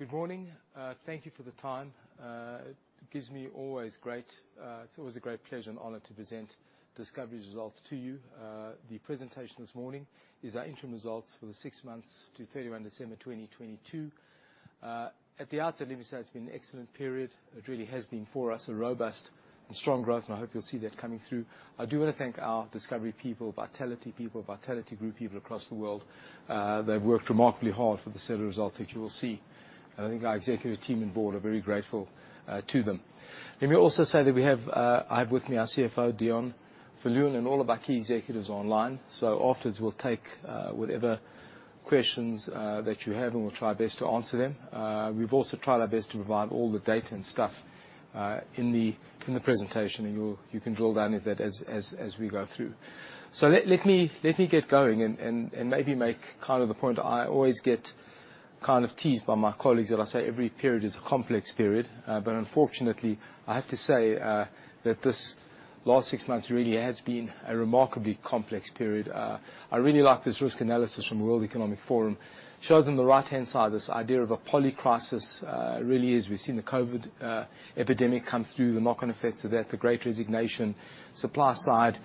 Good morning. Thank you for the time. It gives me always great, it's always a great pleasure and honor to present Discovery's results to you. The presentation this morning is our interim results for the six months to 31 December 2022. At the outset, let me say it's been excellent period. It really has been for us, a robust and strong growth, and I hope you'll see that coming through. I do wanna thank our Discovery people, Vitality people, Vitality Group people across the world. They've worked remarkably hard for the set of results that you will see. I think our executive team and board are very grateful to them. Let me also say that we have, I have with me our CFO, Deon Viljoen, and all of our key executives online. Afterwards, we'll take whatever questions that you have, and we'll try our best to answer them. We've also tried our best to provide all the data and stuff in the presentation, and you'll, you can drill down with it as we go through. Let me get going and maybe make kind of the point. I always get kind of teased by my colleagues that I say every period is a complex period. Unfortunately, I have to say that this last six months really has been a remarkably complex period. I really like this risk analysis from World Economic Forum. Shows on the right-hand side, this idea of a polycrisis, really as we've seen the COVID epidemic come through, the knock-on effects of that, the great resignation, supply side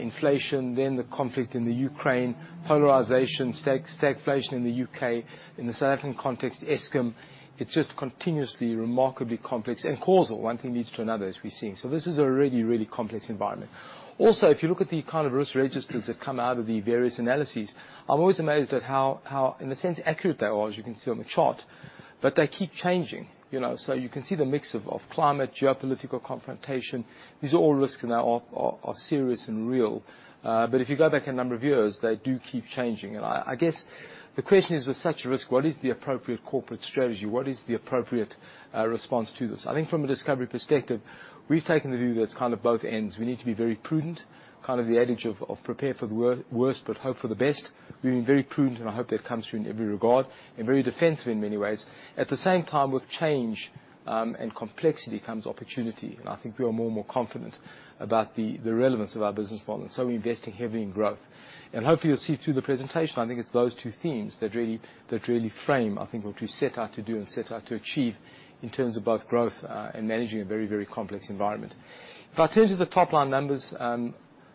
inflation, the conflict in Ukraine, polarization, stagflation in the UK. In the South African context, Eskom. It's just continuously remarkably complex and causal. One thing leads to another, as we're seeing. This is a really, really complex environment. If you look at the kind of risk registers that come out of the various analyses, I'm always amazed at how in the sense accurate they are, as you can see on the chart, they keep changing, you know. You can see the mix of climate, geopolitical confrontation. These are all risks now are serious and real. If you go back a number of years, they do keep changing. I guess the question is, with such risk, what is the appropriate corporate strategy? What is the appropriate response to this? I think from a Discovery perspective, we've taken the view that's kind of both ends. We need to be very prudent, kind of the adage of prepare for the worst, but hope for the best. We've been very prudent, and I hope that comes through in every regard, and very defensive in many ways. At the same time, with change and complexity comes opportunity, and I think we are more and more confident about the relevance of our business model, and so we're investing heavily in growth. Hopefully you'll see through the presentation, I think it's those two themes that really frame, I think, what we set out to do and set out to achieve in terms of both growth and managing a very, very complex environment. If I turn to the top-line numbers,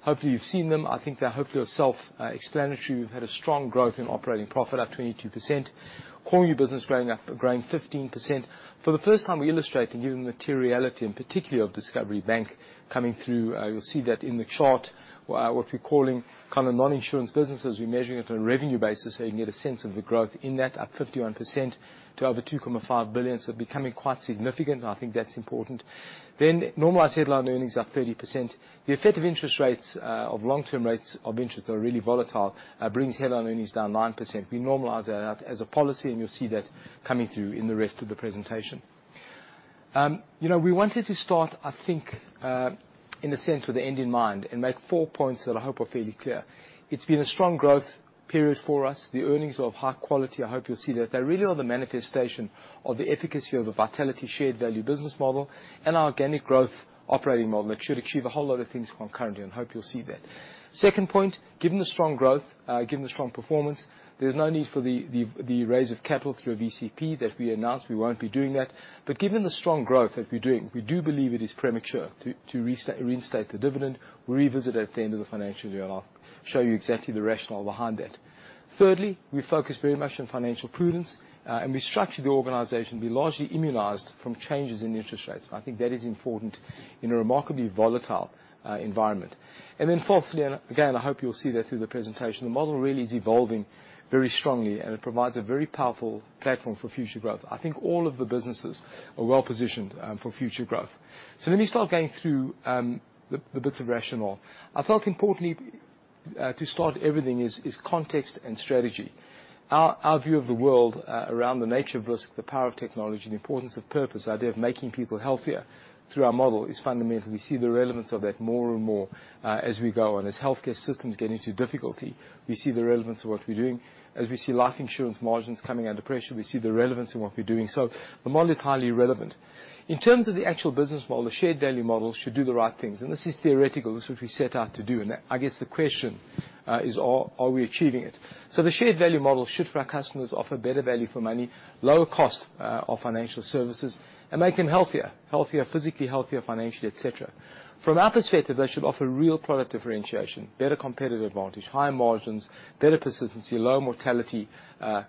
hopefully you've seen them. I think they're hopefully self-explanatory. We've had a strong growth in operating profit, up 22%. Core new business growing 15%. For the first time, we illustrate and give them materiality, and particularly of Discovery Bank coming through. You'll see that in the chart, what we're calling kind of non-insurance businesses. We're measuring it on a revenue basis, so you can get a sense of the growth in that, up 51% to over 2.5 billion. Becoming quite significant, and I think that's important. Normalized headline earnings up 30%. The effect of interest rates, of long-term rates of interest are really volatile, brings headline earnings down 9%. We normalize that out as a policy, you'll see that coming through in the rest of the presentation. You know, we wanted to start, I think, in the sense with the end in mind and make four points that I hope are fairly clear. It's been a strong growth period for us. The earnings of high quality, I hope you'll see that. They really are the manifestation of the efficacy of the Vitality shared value business model and our organic growth operating model that should achieve a whole lot of things concurrently, I hope you'll see that. Second point, given the strong growth, given the strong performance, there's no need for the raise of capital through a VCP that we announced. We won't be doing that. Given the strong growth that we're doing, we do believe it is premature to reinstate the dividend. We'll revisit at the end of the financial year, and I'll show you exactly the rationale behind that. Thirdly, we focus very much on financial prudence, and we structure the organization to be largely immunized from changes in interest rates. I think that is important in a remarkably volatile environment. Fourthly, and again, I hope you'll see that through the presentation, the model really is evolving very strongly, and it provides a very powerful platform for future growth. I think all of the businesses are well positioned for future growth. Let me start going through the bits of rationale. I felt importantly, to start everything is context and strategy. Our view of the world, around the nature of risk, the power of technology, and the importance of purpose, the idea of making people healthier through our model is fundamental. We see the relevance of that more and more as we go on. As healthcare systems get into difficulty, we see the relevance of what we're doing. As we see life insurance margins coming under pressure, we see the relevance in what we're doing. The model is highly relevant. In terms of the actual business model, the shared value model should do the right things. This is theoretical. This is what we set out to do, and I guess the question is, are we achieving it? The shared value model should, for our customers, offer better value for money, lower cost of financial services, and make them healthier. Healthier physically, healthier financially, et cetera. From our perspective, they should offer real product differentiation, better competitive advantage, higher margins, better persistency, low mortality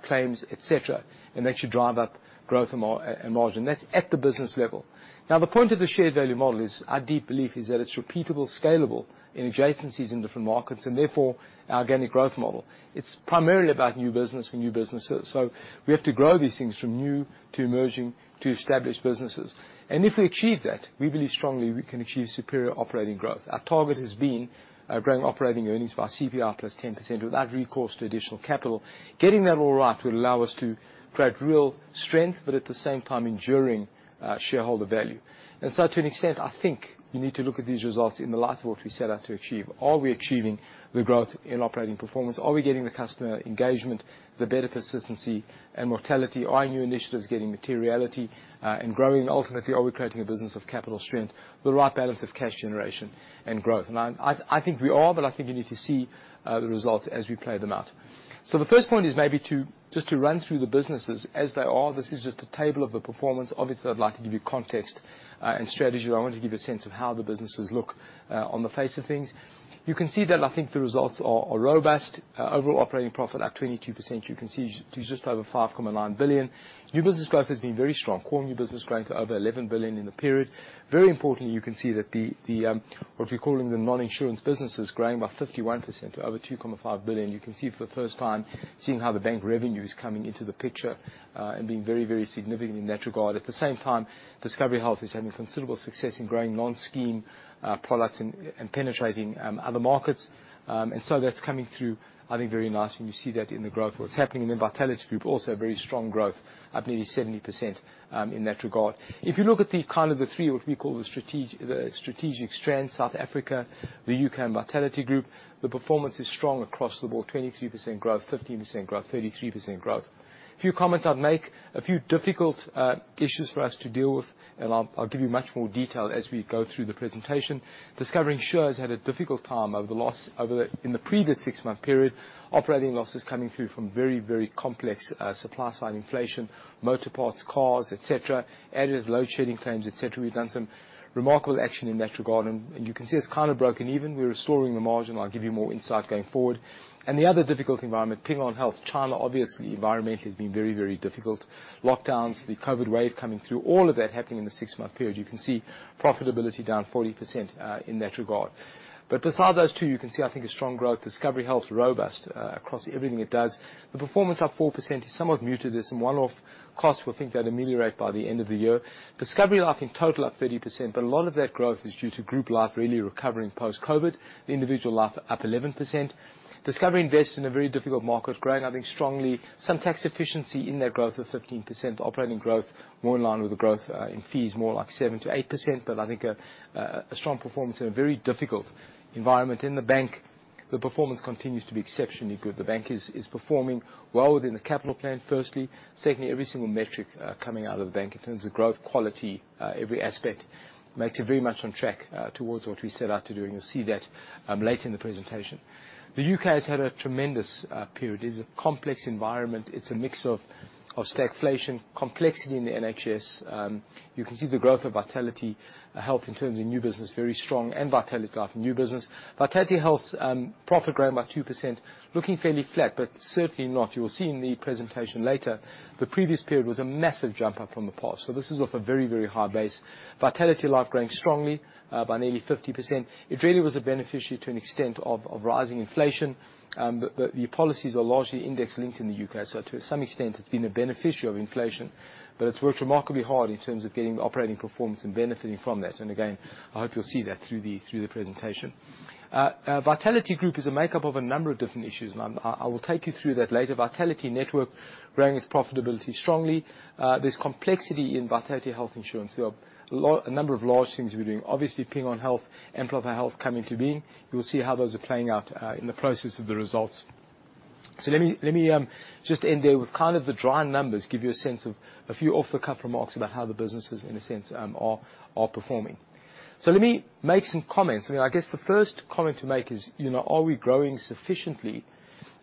claims, et cetera, and that should drive up growth and margin. That's at the business level. The point of the shared value model is our deep belief is that it's repeatable, scalable in adjacencies in different markets and therefore our organic growth model. It's primarily about new business and new businesses. We have to grow these things from new to emerging to established businesses. If we achieve that, we believe strongly we can achieve superior operating growth. Our target has been growing operating earnings by CPI +10% without recourse to additional capital. Getting that all right will allow us to create real strength, but at the same time enduring, shareholder value. To an extent, I think you need to look at these results in the light of what we set out to achieve. Are we achieving the growth in operating performance? Are we getting the customer engagement, the better persistency and mortality? Are our new initiatives getting materiality, and growing? Ultimately, are we creating a business of capital strength, the right balance of cash generation and growth? I think we are, but I think you need to see, the results as we play them out. The first point is maybe just to run through the businesses as they are. This is just a table of the performance. Obviously, I'd like to give you context, and strategy. I want to give you a sense of how the businesses look on the face of things. You can see that I think the results are robust. Overall operating profit up 22%. You can see to just over 5.9 billion. New business growth has been very strong. Core new business growth over 11 billion in the period. Very importantly, you can see that the what we're calling the non-insurance business is growing by 51% to over 2.5 billion. You can see it for the first time, seeing how the bank revenue is coming into the picture and being very significant in that regard. At the same time, Discovery Health is having considerable success in growing non-scheme products and penetrating other markets. That's coming through, I think, very nicely, and you see that in the growth. What's happening in the Vitality Group, also very strong growth, up nearly 70% in that regard. If you look at the kind of the three, what we call the strategic strand, South Africa, the UK, and Vitality Group, the performance is strong across the board. 23% growth, 15% growth, 33% growth. A few comments I'd make. A few difficult issues for us to deal with, and I'll give you much more detail as we go through the presentation. Discovery Insure has had a difficult time over the in the previous six-month period. Operating losses coming through from very, very complex supply side inflation, motor parts, cars, et cetera. Added load shedding claims, et cetera. We've done some remarkable action in that regard, and you can see it's kind of broken even. We're restoring the margin. I'll give you more insight going forward. The other difficult environment, Ping An Health. China, obviously, environmentally has been very, very difficult. Lockdowns, the COVID wave coming through, all of that happening in the six-month period. You can see profitability down 40% in that regard. Beside those two, you can see, I think, a strong growth. Discovery Health's robust across everything it does. The performance up 4% is somewhat muted. There's some one-off costs we think that ameliorate by the end of the year. Discovery Life in total up 30%, but a lot of that growth is due to Group Life really recovering post-COVID. Individual Life up 11%. Discovery Invest in a very difficult market, growing, I think, strongly. Some tax efficiency in that growth of 15%. Operating growth more in line with the growth in fees, more like 7%-8%. I think a strong performance in a very difficult environment. In the bank, the performance continues to be exceptionally good. The bank is performing well within the capital plan, firstly. Secondly, every single metric coming out of the bank in terms of growth, quality, every aspect makes it very much on track towards what we set out to do, and you'll see that later in the presentation. The U.K. has had a tremendous period. It's a complex environment. It's a mix of stagflation, complexity in the NHS. You can see the growth of Vitality Health in terms of new business, very strong, and Vitality Life new business. Vitality Health's profit growing by 2%, looking fairly flat, but certainly not. You will see in the presentation later, the previous period was a massive jump up from the past. This is off a very, very high base. Vitality Life growing strongly by nearly 50%. It really was a beneficiary to an extent of rising inflation. But the policies are largely index-linked in the U.K., so to some extent it's been a beneficiary of inflation. It's worked remarkably hard in terms of getting the operating performance and benefiting from that. Again, I hope you'll see that through the presentation. Vitality Group is a makeup of a number of different issues. I will take you through that later. Vitality Network growing its profitability strongly. There's complexity in Vitality Health Insurance. There are a number of large things we're doing. Obviously, Ping An Health, Amplify Health coming to being. You will see how those are playing out in the process of the results. Let me just end there with kind of the dry numbers, give you a sense of a few off-the-cuff remarks about how the businesses, in a sense, are performing. Let me make some comments. I mean, I guess the first comment to make is, you know, are we growing sufficiently?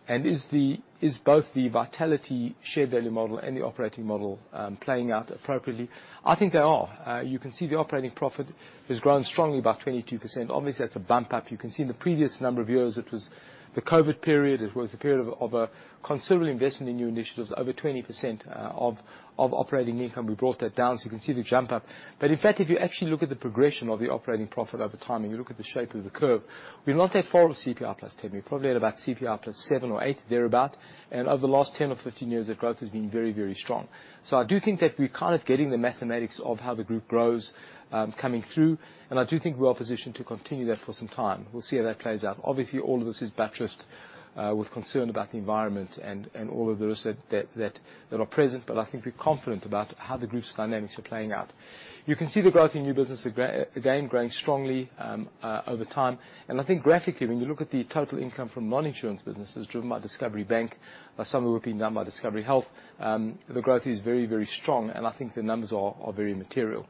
Is both the Vitality shared value model and the operating model playing out appropriately? I think they are. You can see the operating profit has grown strongly by 22%. Obviously, that's a bump up. You can see in the previous number of years, it was the COVID period, it was a period of a considerable investment in new initiatives, over 20% of operating income. We brought that down, so you can see the jump up. In fact, if you actually look at the progression of the operating profit over time, and you look at the shape of the curve, we're not at 4 of CPI +10. We're probably at about CPI +7 or 8, thereabout. Over the last 10 or 15 years, the growth has been very, very strong. I do think that we're kind of getting the mathematics of how the group grows, coming through, and I do think we are positioned to continue that for some time. We'll see how that plays out. Obviously, all of this is buttressed with concern about the environment and all of the risks that are present, but I think we're confident about how the group's dynamics are playing out. You can see the growth in new business again, growing strongly over time. I think graphically, when you look at the total income from non-insurance businesses driven by Discovery Bank, some of it will be done by Discovery Health, the growth is very, very strong, and I think the numbers are very material.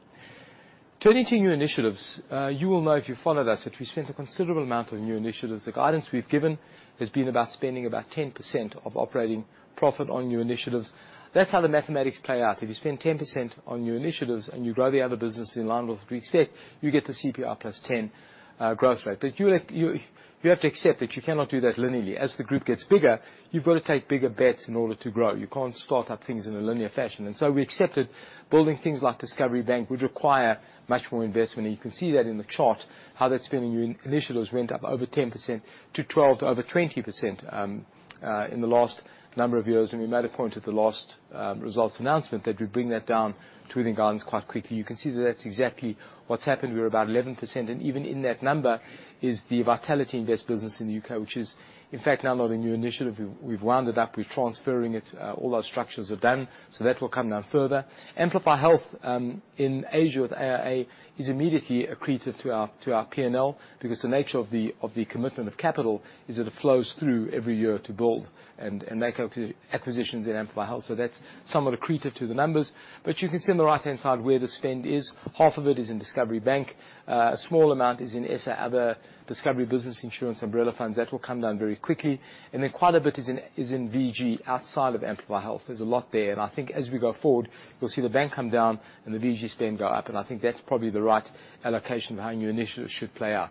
Turning to new initiatives, you will know if you followed us that we spent a considerable amount on new initiatives. The guidance we've given has been about spending about 10% of operating profit on new initiatives. That's how the mathematics play out. If you spend 10% on new initiatives and you grow the other business in line with the Greek state, you get the CPI plus 10% growth rate. You have to accept that you cannot do that linearly. As the group gets bigger, you've got to take bigger bets in order to grow. You can't start up things in a linear fashion. We accepted building things like Discovery Bank would require much more investment, and you can see that in the chart, how that spending in initials went up over 10% to 12% to over 20% in the last number of years. We made a point at the last results announcement that we'd bring that down to within guidance quite quickly. You can see that that's exactly what's happened. We're about 11%, even in that number is the Vitality Invest business in the U.K., which is, in fact, now not a new initiative. We've wound it up. We're transferring it. All our structures are done. That will come down further. Amplify Health in Asia with AIA is immediately accretive to our, to our P&L because the nature of the, of the commitment of capital is that it flows through every year to build and make acquisitions in Amplify Health. That's somewhat accretive to the numbers. You can see on the right-hand side where the spend is. Half of it is in Discovery Bank. A small amount is in other Discovery business insurance umbrella funds. That will come down very quickly. Quite a bit is in, is in VG outside of Amplify Health. There's a lot there. I think as we go forward, you'll see the bank come down and the VG spend go up. I think that's probably the right allocation of how new initiatives should play out.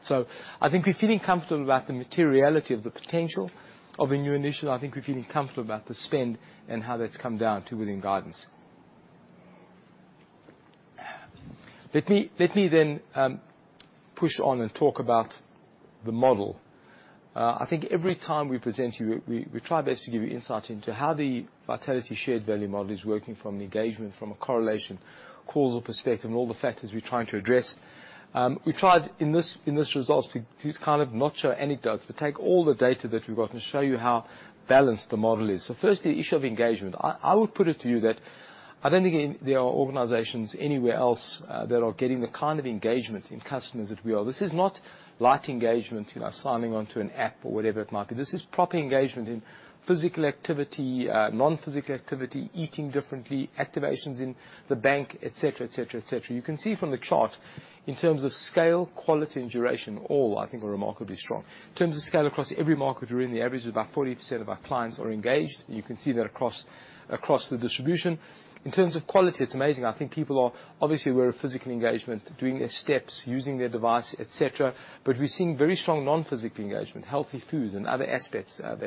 I think we're feeling comfortable about the materiality of the potential of a new initiative. I think we're feeling comfortable about the spend and how that's come down to within guidance. Let me then push on and talk about the model. I think every time we present you, we try best to give you insight into how the Vitality shared value model is working from an engagement, from a correlation, causal perspective, and all the factors we're trying to address. We tried in this results to kind of not show any doubts, but take all the data that we've got and show you how balanced the model is. First, the issue of engagement. I would put it to you that I don't think any there are organizations anywhere else that are getting the kind of engagement in customers that we are. This is not light engagement, you know, signing on to an app or whatever it might be. This is proper engagement in physical activity, non-physical activity, eating differently, activations in the bank, et cetera, et cetera, et cetera. You can see from the chart in terms of scale, quality, and duration, all, I think, are remarkably strong. In terms of scale across every market we're in, the average is about 40% of our clients are engaged. You can see that across the distribution. In terms of quality, it's amazing. I think people Obviously, we're a physical engagement, doing their steps, using their device, et cetera. We're seeing very strong non-physical engagement, healthy foods and other aspects that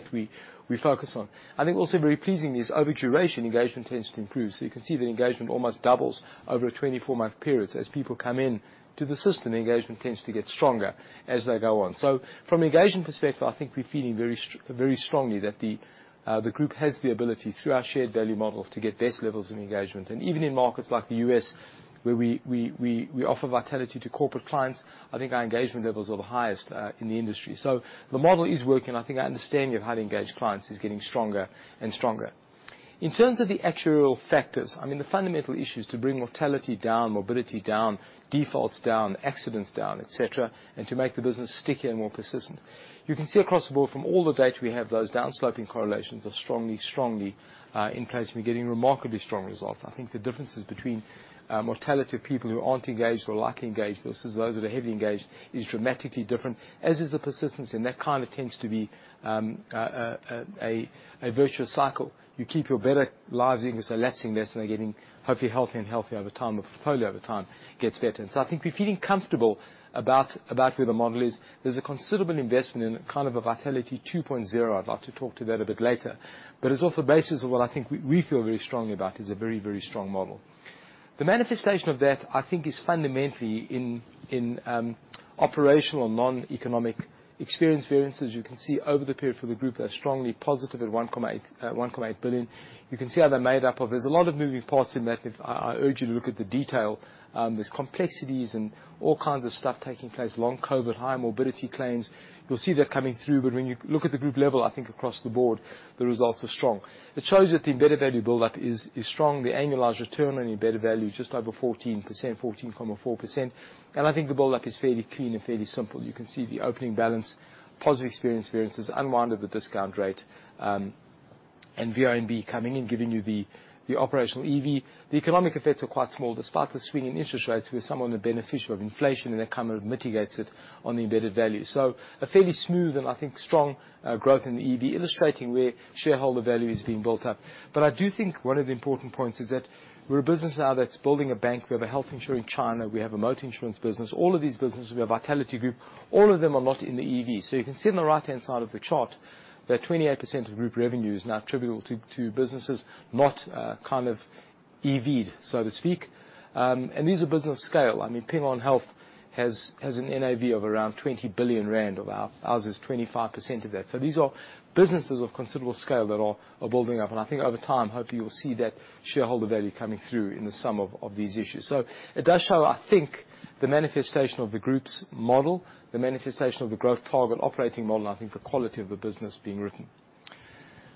we focus on. I think also very pleasing is over duration, engagement tends to improve. You can see the engagement almost doubles over a 24-month period. As people come in to the system, engagement tends to get stronger as they go on. From an engagement perspective, I think we're feeling very strongly that the group has the ability through our shared value model to get best levels of engagement. Even in markets like the U.S., where we offer Vitality to corporate clients, I think our engagement levels are the highest in the industry. The model is working. I think our understanding of how to engage clients is getting stronger and stronger. In terms of the actuarial factors, I mean, the fundamental issue is to bring mortality down, morbidity down, defaults down, accidents down, et cetera, and to make the business stickier and more persistent. You can see across the board from all the data we have, those down sloping correlations are strongly in place. We're getting remarkably strong results. I think the differences between mortality of people who aren't engaged or lightly engaged versus those that are heavily engaged is dramatically different, as is the persistence. That kind of tends to be a virtual cycle. You keep your better lives, you can say, lasting this and they're getting hopefully healthier and healthier over time. The portfolio over time gets better. I think we're feeling comfortable about where the model is. There's a considerable investment in kind of a Vitality 2.0. I'd like to talk to that a bit later. It's off the basis of what I think we feel very, very strong about is a very, very strong model. The manifestation of that, I think, is fundamentally in operational, non-economic experience variances. You can see over the period for the group, they're strongly positive at 1.8 billion. You can see how they're made up of. There's a lot of moving parts in that. I urge you to look at the detail. There's complexities and all kinds of stuff taking place, long COVID, high morbidity claims. You'll see that coming through. When you look at the group level, I think across the board, the results are strong. It shows that the embedded value build-up is strong. The annualized return on the embedded value is just over 14%, 14.4%. I think the build-up is fairly clean and fairly simple. You can see the opening balance, positive experience variances, unwinded the discount rate, and VNB coming in, giving you the operational EV. The economic effects are quite small. Despite the swing in interest rates, we are somewhat of the beneficial of inflation, and that kind of mitigates it on the embedded value. A fairly smooth and I think strong growth in the EV, illustrating where shareholder value is being built up. I do think one of the important points is that we're a business now that's building a bank. We have a health insurer in China. We have a motor insurance business. All of these businesses, we have Vitality Group, all of them are not in the EV. You can see on the right-hand side of the chart that 28% of group revenue is now attributable to businesses, not kind of EV'd, so to speak. These are business of scale. I mean, Ping An Health has an NAV of around 20 billion rand of our, ours is 25% of that. These are businesses of considerable scale that are building up. I think over time, hopefully you'll see that shareholder value coming through in the sum of these issues. It does show, I think, the manifestation of the group's model, the manifestation of the growth target operating model, and I think the quality of the business being written.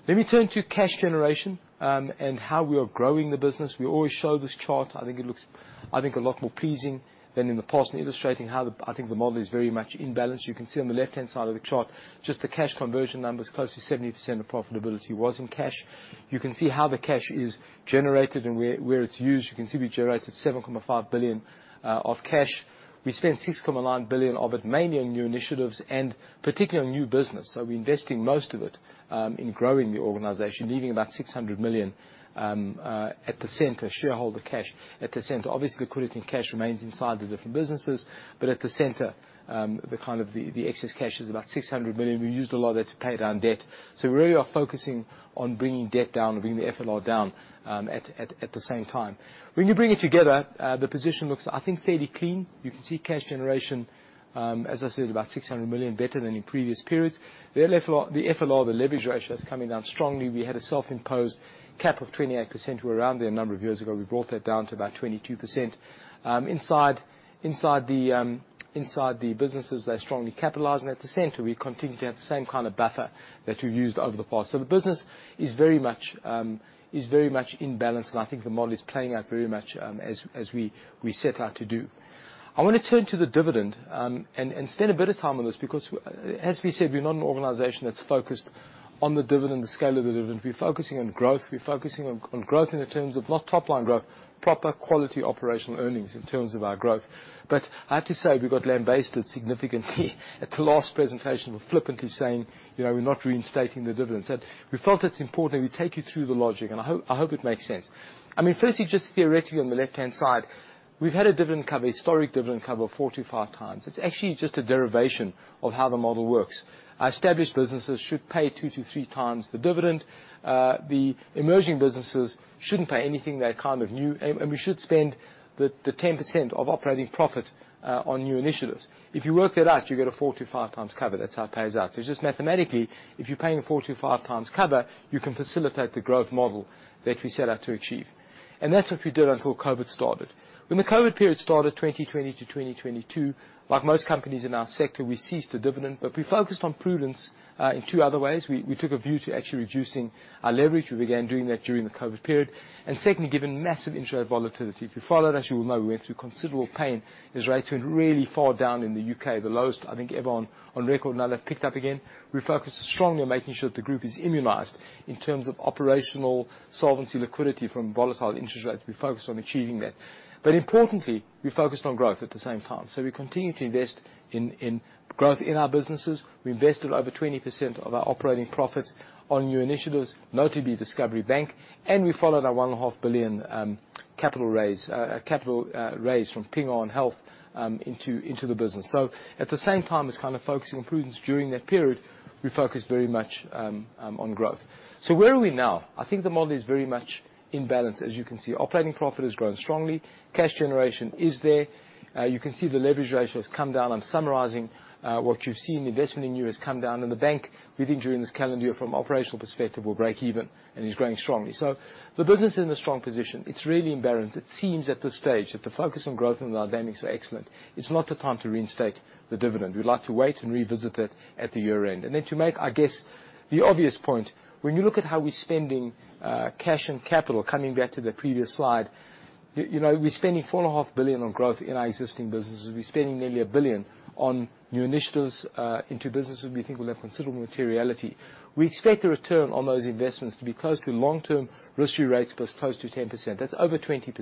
Let me turn to cash generation, and how we are growing the business. We always show this chart. I think it looks a lot more pleasing than in the past, and illustrating how, I think, the model is very much in balance. You can see on the left-hand side of the chart, just the cash conversion numbers, close to 70% of profitability was in cash. You can see how the cash is generated and where it's used. You can see we generated 7.5 billion of cash. We spent 6.9 billion of it, mainly on new initiatives and particularly on new business. We're investing most of it in growing the organization, leaving about 600 million at the center, shareholder cash at the center. Obviously, liquidity and cash remains inside the different businesses, but at the center, the kind of the excess cash is about 600 million. We used a lot of that to pay down debt. We really are focusing on bringing debt down and bringing the FLR down at the same time. When you bring it together, the position looks, I think, fairly clean. You can see cash generation, as I said, about 600 million, better than in previous periods. The FLR, the leverage ratio, that's coming down strongly. We had a self-imposed cap of 28%. We were around there a number of years ago. We brought that down to about 22%. Inside the businesses, they're strongly capitalizing. At the center, we continue to have the same kind of buffer that we've used over the past. The business is very much in balance. I think the model is playing out very much as we set out to do. I wanna turn to the dividend and spend a bit of time on this because as we said, we're not an organization that's focused on the dividend, the scale of the dividend. We're focusing on growth. We're focusing on growth in the terms of not top-line growth, proper quality operational earnings in terms of our growth. I have to say, we got lambasted significantly at the last presentation. We're flippantly saying, you know, we're not reinstating the dividend. We felt it's important we take you through the logic, and I hope it makes sense. I mean firstly, just theoretically on the left-hand side, we've had a dividend cover, historic dividend cover of 4x-5x. It's actually just a derivation of how the model works. Our established businesses should pay 2x-3x the dividend. The emerging businesses shouldn't pay anything. They're kind of new. We should spend the 10% of operating profit on new initiatives. If you work that out, you get a 4x-5x cover. That's how it pays out. Just mathematically, if you're paying a 4x-5x cover, you can facilitate the growth model that we set out to achieve. That's what we did until COVID started. When the COVID period started, 2020 to 2022, like most companies in our sector, we ceased the dividend, but we focused on prudence in two other ways. We took a view to actually reducing our leverage. We began doing that during the COVID period, secondly, given massive interest rate volatility, if you followed us, you will know we went through considerable pain as rates went really far down in the U.K., the lowest, I think, ever on record. Now they've picked up again. We focused strongly on making sure that the group is immunized in terms of operational solvency, liquidity from volatile interest rates. We focused on achieving that. Importantly, we focused on growth at the same time. We continued to invest in growth in our businesses. We invested over 20% of our operating profits on new initiatives, notably Discovery Bank. We followed our one and a half billion capital raise from Ping An Health into the business. At the same time as kind of focusing on prudence during that period, we focused very much on growth. Where are we now? I think the model is very much in balance, as you can see. Operating profit has grown strongly. Cash generation is there. You can see the leverage ratio has come down. I'm summarizing what you've seen. Investment in new has come down. The Bank, we think during this calendar year, from operational perspective, will break even and is growing strongly. The business is in a strong position. It's really in balance. It seems at this stage that the focus on growth and our dynamics are excellent. It's not the time to reinstate the dividend. We'd like to wait and revisit it at the year-end. To make, I guess, the obvious point, when you look at how we're spending cash and capital, coming back to the previous slide, you know, we're spending 4.5 billion on growth in our existing businesses. We're spending nearly 1 billion on new initiatives into businesses we think will have considerable materiality. We expect the return on those investments to be close to long-term risk-free rates plus close to 10%. That's over 20%.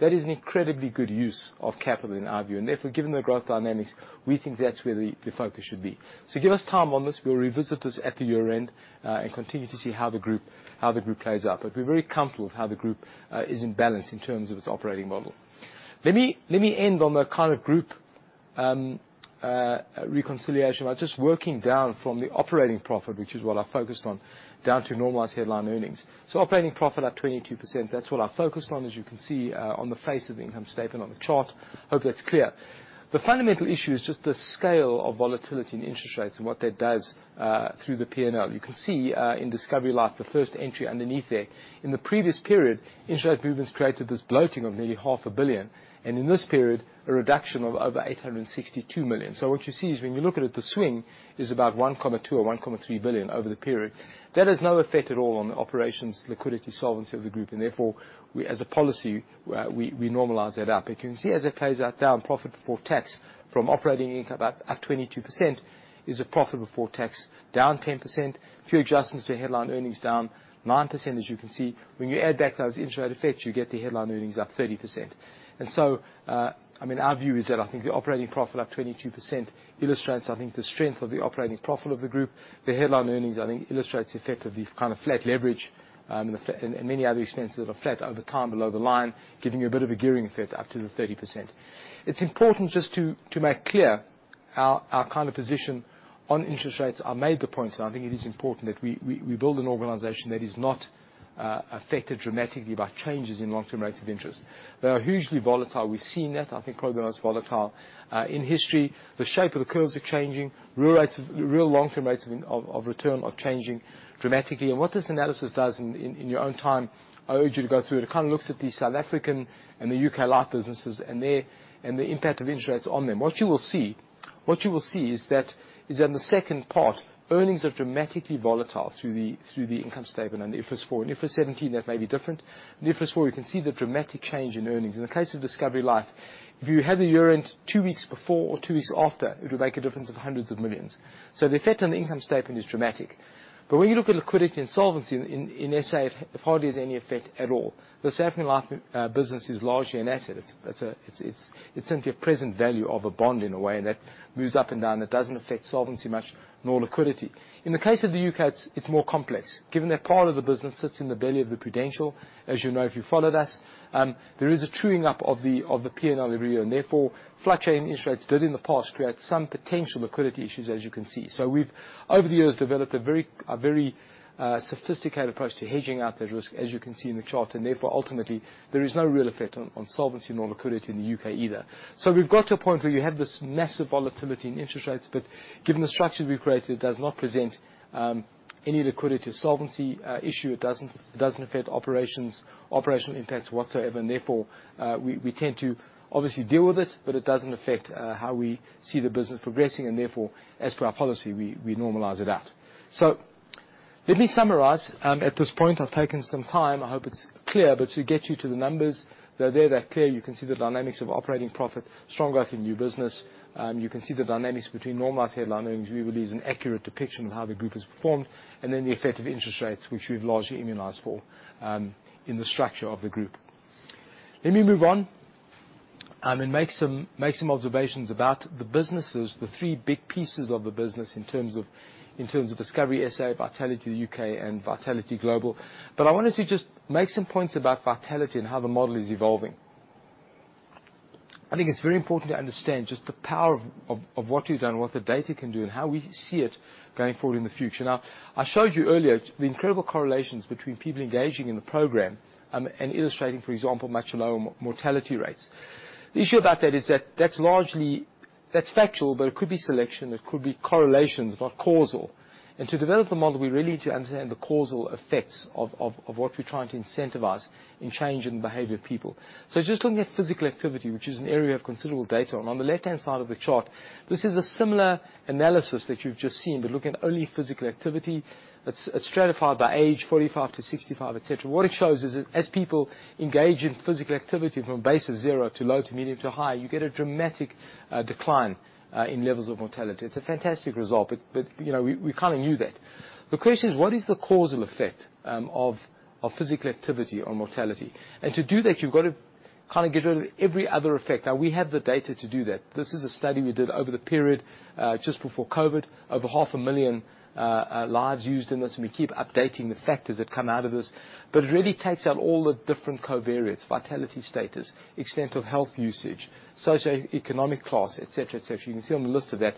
That is an incredibly good use of capital, in our view. Given the growth dynamics, we think that's where the focus should be. Give us time on this. We'll revisit this at the year-end and continue to see how the group plays out. We're very comfortable with how the group is in balance in terms of its operating model. Let me end on the kind of group reconciliation by just working down from the operating profit, which is what I focused on, down to normalized headline earnings. Operating profit up 22%, that's what I focused on, as you can see on the face of the income statement on the chart. Hope that's clear. The fundamental issue is just the scale of volatility in interest rates and what that does through the P&L. You can see in Discovery Life, the first entry underneath there. In the previous period, interest rate movements created this bloating of nearly half a billion. In this period, a reduction of over 862 million. What you see is when you look at it, the swing is about 1.2 billion or 1.3 billion over the period. That has no effect at all on the operations, liquidity, solvency of the group. Therefore, we as a policy, we normalize that out. You can see as it plays out down, profit before tax from operating income up 22% is a profit before tax down 10%. A few adjustments to headline earnings down 9%, as you can see. When you add back those interest rate effects, you get the headline earnings up 30%. I mean, our view is that I think the operating profit up 22% illustrates, I think, the strength of the operating profit of the group. The headline earnings, I think, illustrates the effect of the kind of flat leverage, and many other expenses that are flat over time below the line, giving you a bit of a gearing effect up to the 30%. It's important just to make clear our kind of position on interest rates. I made the point, and I think it is important that we build an organization that is not affected dramatically by changes in long-term rates of interest. They are hugely volatile. We've seen that, I think, probably the most volatile in history. The shape of the curves are changing. Real long-term rates of return are changing dramatically. What this analysis does in your own time, I urge you to go through it. It kind of looks at the South African and the U.K. life businesses and the impact of interest rates on them. What you will see is that in the second part, earnings are dramatically volatile through the income statement under IFRS 4. In IFRS 17, that may be different. In IFRS 4, you can see the dramatic change in earnings. In the case of Discovery Life, if you had the year-end two weeks before or two weeks after, it would make a difference of hundreds of millions. The effect on the income statement is dramatic. When you look at liquidity and solvency in S.A., it hardly has any effect at all. The South African life business is largely an asset. It's simply a present value of a bond in a way, and that moves up and down. It doesn't affect solvency much, nor liquidity. In the case of the U.K., it's more complex. Given that part of the business sits in the belly of the Prudential, as you know, if you followed us, there is a truing up of the PNL every year, and therefore fluctuating interest rates did in the past create some potential liquidity issues, as you can see. We've, over the years, developed a very sophisticated approach to hedging out that risk, as you can see in the chart, and therefore, ultimately, there is no real effect on solvency nor liquidity in the U.K. Either. We've got to a point where you have this massive volatility in interest rates, but given the structure we've created, it does not present any liquidity or solvency issue. It doesn't affect operations, operational impacts whatsoever, and therefore, we tend to obviously deal with it, but it doesn't affect how we see the business progressing, and therefore, as per our policy, we normalize it out. Let me summarize. At this point, I've taken some time. I hope it's clear, but to get you to the numbers, they're there. They're clear. You can see the dynamics of operating profit, strong growth in new business. You can see the dynamics between normalized headline earnings, which really is an accurate depiction of how the group has performed, and then the effect of interest rates, which we've largely immunized for in the structure of the group. Let me move on and make some observations about the businesses, the three big pieces of the business in terms of Discovery SA, Vitality UK, and Vitality Global. I wanted to just make some points about Vitality and how the model is evolving. I think it's very important to understand just the power of what we've done, what the data can do, and how we see it going forward in the future. I showed you earlier the incredible correlations between people engaging in the program and illustrating, for example, much lower mortality rates. The issue about that is that That's factual, but it could be selection. It could be correlations, not causal. To develop the model, we really need to understand the causal effects of what we're trying to incentivize in changing the behavior of people. Just looking at physical activity, which is an area of considerable data, and on the left-hand side of the chart, this is a similar analysis that you've just seen, but looking at only physical activity. It's stratified by age, 45-65, et cetera. What it shows is as people engage in physical activity from a base of zero to low to medium to high, you get a dramatic decline in levels of mortality. It's a fantastic result, but, you know, we kinda knew that. The question is what is the causal effect of physical activity on mortality? To do that, you've got to kind of get rid of every other effect. We have the data to do that. This is a study we did over the period just before COVID. Over half a million lives used in this, and we keep updating the factors that come out of this. It really takes out all the different covariates, vitality status, extent of health usage, socioeconomic class, et cetera, et cetera. You can see on the list of that.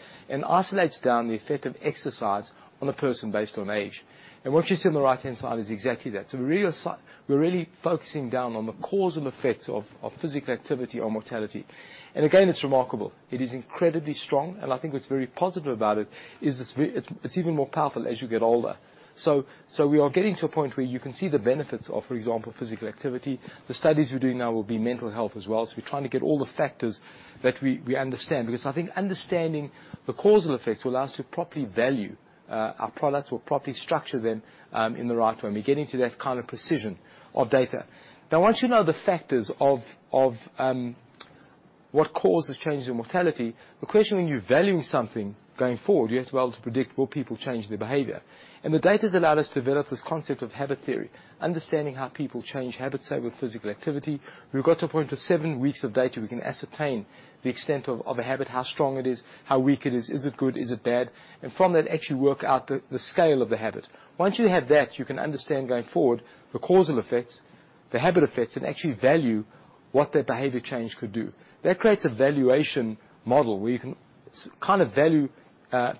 Isolates down the effect of exercise on a person based on age. What you see on the right-hand side is exactly that. We're really focusing down on the causal effects of physical activity on mortality. Again, it's remarkable. It is incredibly strong, I think what's very positive about it is it's even more powerful as you get older. We are getting to a point where you can see the benefits of, for example, physical activity. The studies we're doing now will be mental health as well. We're trying to get all the factors that we understand because I think understanding the causal effects will allow us to properly value our products. We'll properly structure them in the right way, we're getting to that kind of precision of data. Now, once you know the factors of what causes changes in mortality, the question when you're valuing something going forward, you have to be able to predict will people change their behavior. The data's allowed us to develop this concept of habit theory, understanding how people change habits, say, with physical activity. We've got to a point of seven weeks of data, we can ascertain the extent of a habit, how strong it is, how weak it is it good, is it bad? From that actually work out the scale of the habit. Once you have that, you can understand going forward the causal effects, the habit effects, and actually value what that behavior change could do. That creates a valuation model where you can kind of value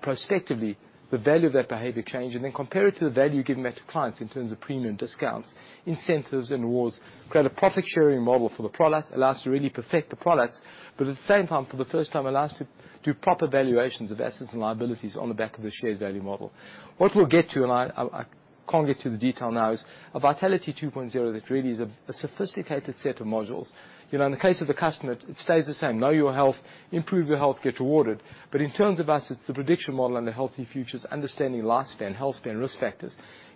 prospectively the value of that behavior change, and then compare it to the value you're giving that to clients in terms of premium discounts, incentives, and rewards. Create a profit-sharing model for the product, allow us to really perfect the products, but at the same time, for the first time allow us to do proper valuations of assets and liabilities on the back of the shared value model. What we'll get to, and I can't get to the detail now, is a Vitality 2.0 that really is a sophisticated set of modules. You know, in the case of the customer, it stays the same. Know your health, improve your health, get rewarded. In terms of us, it's the prediction model and the Healthy Futures, understanding lifespan, health span, risk factors.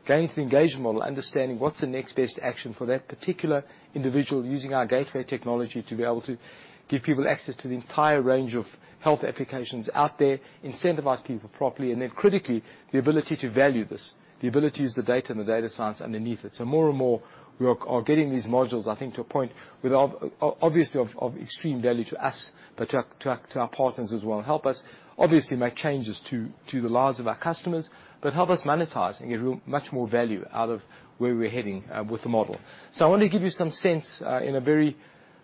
Going to the engagement model, understanding what's the next best action for that particular individual using our Gateway technology to be able to give people access to the entire range of health applications out there, incentivize people properly, and then critically, the ability to value this, the ability to use the data and the data science underneath it. More and more, we are getting these modules, I think, to a point with obviously of extreme value to us, but to our partners as well. Help us obviously make changes to the lives of our customers, but help us monetize and get real much more value out of where we're heading with the model. I want to give you some sense, in a very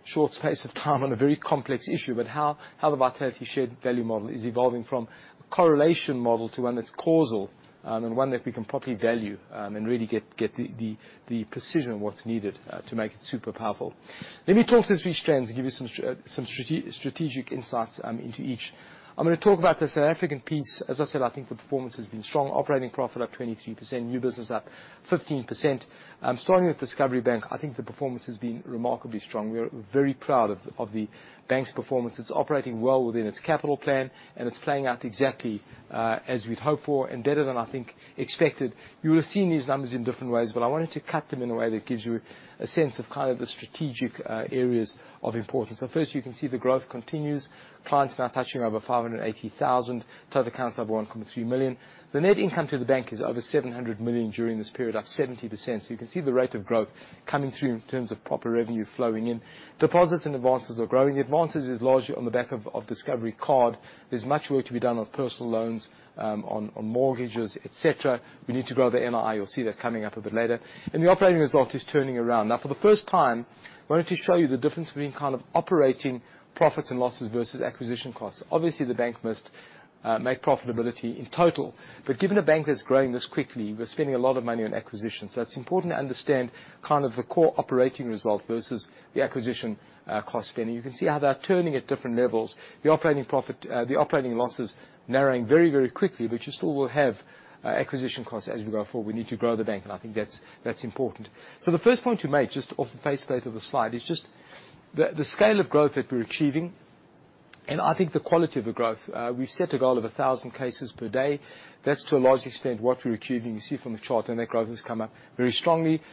short space of time on a very complex issue, but how the Vitality shared value model is evolving from correlation model to one that's causal, and one that we can properly value, and really get the precision of what's needed to make it super powerful. Let me talk through three strands and give you some strategic insights into each. I'm gonna talk about the South African piece. As I said, I think the performance has been strong. Operating profit up 23%, new business up 15%. Starting with Discovery Bank, I think the performance has been remarkably strong. We are very proud of the bank's performance. It's operating well within its capital plan. It's playing out exactly as we'd hoped for and better than I think expected. You will have seen these numbers in different ways, but I wanted to cut them in a way that gives you a sense of kind of the strategic areas of importance. First, you can see the growth continues. Clients now touching over 580,000. Total accounts over 1.3 million. The net income to the bank is over 700 million during this period, up 70%. You can see the rate of growth coming through in terms of proper revenue flowing in. Deposits and advances are growing. Advances is largely on the back of Discovery Card. There's much work to be done on personal loans, on mortgages, et cetera. We need to grow the NII, you'll see that coming up a bit later. The operating result is turning around. Now, for the first time, I wanted to show you the difference between kind of operating profits and losses versus acquisition costs. Obviously, the bank must make profitability in total. Given a bank that's growing this quickly, we're spending a lot of money on acquisitions. It's important to understand kind of the core operating result versus the acquisition cost spending. You can see how they are turning at different levels. The operating loss is narrowing very, very quickly, but you still will have acquisition costs as we go forward. We need to grow the bank, I think that's important. The first point to make, just off the face data of the slide, is just the scale of growth that we're achieving, and I think the quality of the growth. We've set a goal of 1,000 cases per day. That's to a large extent what we're achieving. You see from the chart, and that growth has come up very strongly. The,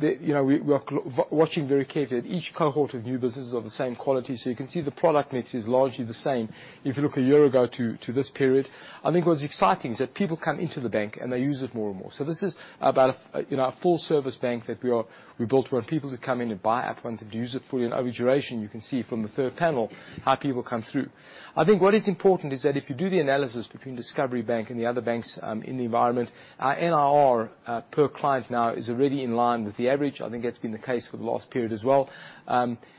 you know, we are watching very carefully that each cohort of new businesses are the same quality. You can see the product mix is largely the same if you look a year ago to this period. I think what's exciting is that people come into the Bank, and they use it more and more. This is about a, you know, a full service bank that we built where people to come in and buy our products and use it fully. Over duration, you can see from the third panel how people come through. I think what is important is that if you do the analysis between Discovery Bank and the other banks, in the environment, our NII per client now is already in line with the average. I think that's been the case for the last period as well.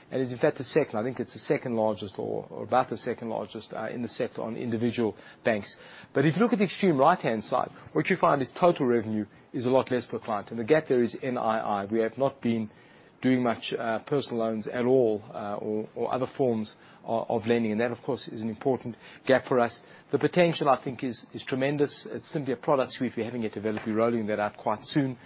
Is in fact the second, I think it's the second largest or about the second largest in the sector on individual banks. If you look at the extreme right-hand side, what you find is total revenue is a lot less per client. The gap there is NII. We have not been doing much personal loans at all, or other forms of lending. That, of course, is an important gap for us. The potential, I think, is tremendous. It's simply a product suite we're having it developed. We're rolling that out quite soon.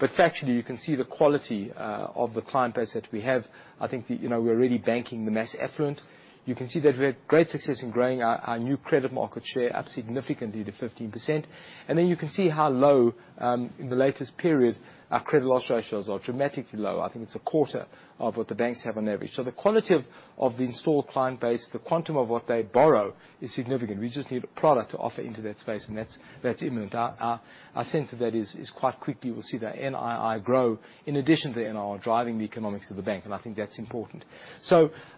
Factually, you can see the quality of the client base that we have. I think the, you know, we're really banking the mass affluent. You can see that we had great success in growing our new credit market share up significantly to 15%. You can see how low in the latest period our credit loss ratios are, dramatically low. I think it's a quarter of what the banks have on average. The quality of the installed client base, the quantum of what they borrow is significant. We just need a product to offer into that space. That's, that's imminent. Our sense of that is quite quickly we'll see the NII grow in addition to NII driving the economics of the bank, I think that's important.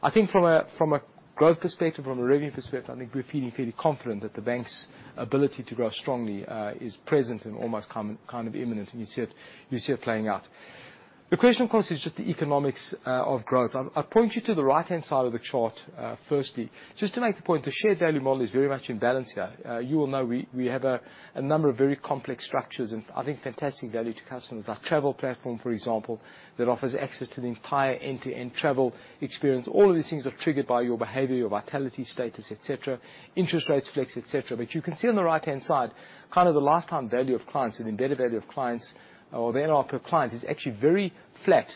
I think from a, from a growth perspective, from a revenue perspective, I think we're feeling fairly confident that the bank's ability to grow strongly is present and almost kind of imminent. You see it, you see it playing out. The question, of course, is just the economics of growth. I'll point you to the right-hand side of the chart, firstly, just to make the point, the shared value model is very much in balance here. You will know we have a number of very complex structures and I think fantastic value to customers. Our travel platform, for example, that offers access to the entire end-to-end travel experience. All of these things are triggered by your behavior, your Vitality status, et cetera. Interest rates flex, et cetera. You can see on the right-hand side kind of the lifetime value of clients and the embedded value of clients, or the NII per client is actually very flat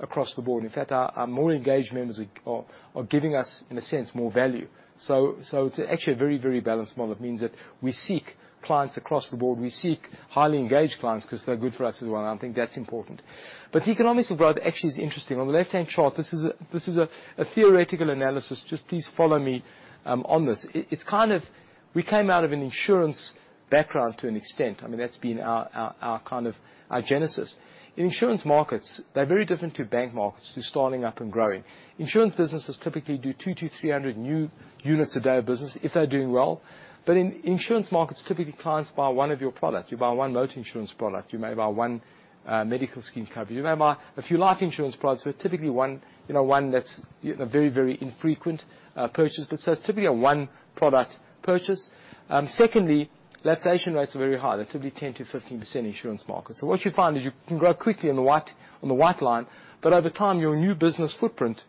across the board. In fact, our more engaged members are giving us, in a sense, more value. It's actually a very, very balanced model. It means that we seek clients across the board. We seek highly engaged clients 'cause they're good for us as well, and I think that's important. The economics of growth actually is interesting. On the left-hand chart, this is a theoretical analysis. Just please follow me on this. It's kind of we came out of an insurance background to an extent. I mean, that's been our kind of our genesis. In insurance markets, they're very different to bank markets to starting up and growing. Insurance businesses typically do 200-300 new units a day of business if they're doing well. In insurance markets, typically clients buy one of your products. You buy one motor insurance product. You may buy one medical scheme cover. You may buy a few life insurance products, but typically one, you know, one that's, you know, very infrequent purchase. It's typically a one product purchase. Secondly, lapsation rates are very high. They're typically 10%-15% insurance market. What you find is you can grow quickly on the white, on the white line, but over time, your new business footprint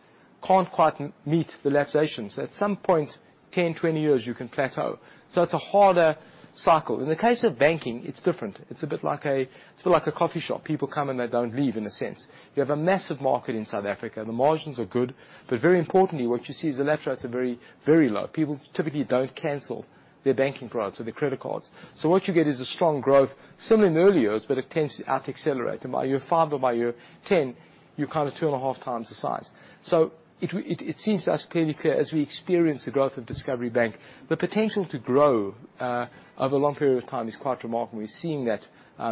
can't quite meet the lapsations. At some point, 10, 20 years, you can plateau. It's a harder cycle. In the case of banking, it's different. It's a bit like a coffee shop. People come, and they don't leave in a sense. You have a massive market in South Africa. The margins are good. Very importantly, what you see is the lapse rates are very, very low. People typically don't cancel their banking products or their credit cards. What you get is a strong growth, similar in the early years, but it tends to out accelerate. By year 5 or by year 10, you're kind of 2.5x the size. It seems to us clearly clear as we experience the growth of Discovery Bank, the potential to grow over a long period of time is quite remarkable. We're seeing that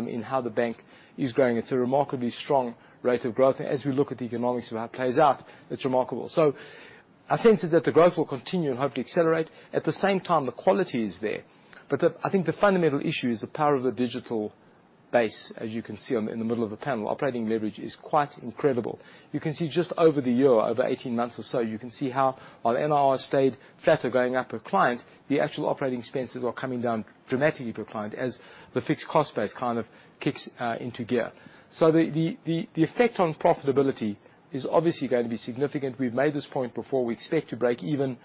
in how the bank is growing. It's a remarkably strong rate of growth. As we look at the economics of how it plays out, it's remarkable. Our sense is that the growth will continue and hopefully accelerate. At the same time, the quality is there. I think the fundamental issue is the power of the digital base. As you can see in the middle of the panel, operating leverage is quite incredible. You can see just over the year, over 18 months or so, you can see how our NIR stayed flatter going up per client. The actual operating expenses are coming down dramatically per client as the fixed cost base kind of kicks into gear. The effect on profitability is obviously going to be significant. We've made this point before. We expect to break even,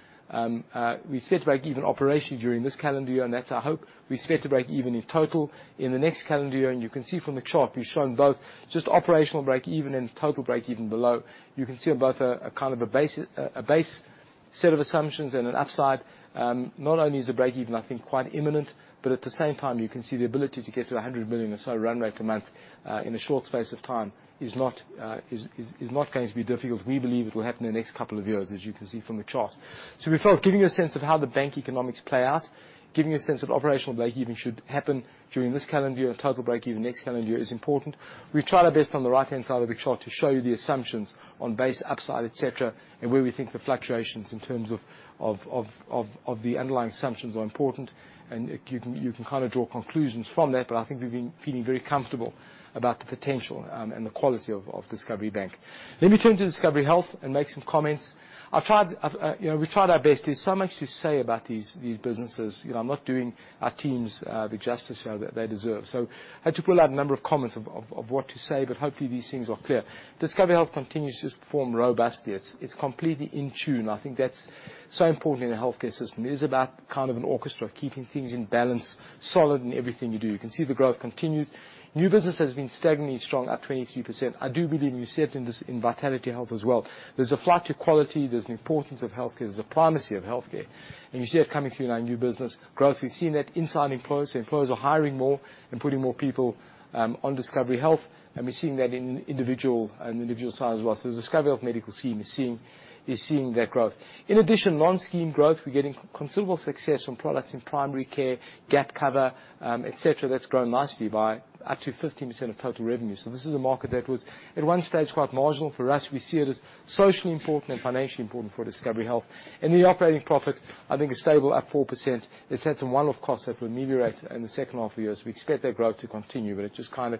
we expect to break even operation during this calendar year, and that's our hope. We expect to break even in total in the next calendar year. You can see from the chart, we've shown both just operational break even and total break even below. You can see on both a kind of a base set of assumptions and an upside. Not only is the break even, I think, quite imminent, but at the same time, you can see the ability to get to a 100 million or so run rate a month in a short space of time is not going to be difficult. We believe it will happen in the next couple of years, as you can see from the chart. We thought of giving you a sense of how the bank economics play out, giving you a sense of operational break even should happen during this calendar year, total break even next calendar year is important. We've tried our best on the right-hand side of the chart to show you the assumptions on base upside, et cetera, and where we think the fluctuations in terms of the underlying assumptions are important. You can kind of draw conclusions from that. I think we've been feeling very comfortable about the potential, and the quality of Discovery Bank. Let me turn to Discovery Health and make some comments. I've tried... you know, we tried our best. There's so much to say about these businesses. You know, I'm not doing our teams the justice, you know, that they deserve. I had to pull out a number of comments of what to say, but hopefully these things are clear. Discovery Health continues to perform robustly. It's completely in tune. I think that's so important in a healthcare system. It is about kind of an orchestra keeping things in balance, solid in everything you do. You can see the growth continues. New business has been stubbornly strong, up 23%. I do believe you see it in this, in Vitality Health as well. There's a flight to quality. There's an importance of healthcare. There's a primacy of healthcare. You see it coming through in our new business growth. We've seen that inside employers. Employers are hiring more and putting more people on Discovery Health, and we're seeing that in individual side as well. Discovery Health Medical Scheme is seeing that growth. In addition, non-scheme growth, we're getting considerable success from products in primary care, gap cover, et cetera. That's grown nicely by up to 15% of total revenue. This is a market that was at one stage quite marginal for us. We see it as socially important and financially important for Discovery Health. The operating profit, I think, is stable at 4%. They set some one-off costs that will ameliorate in the second half of the year, so we expect that growth to continue, but it just kind of,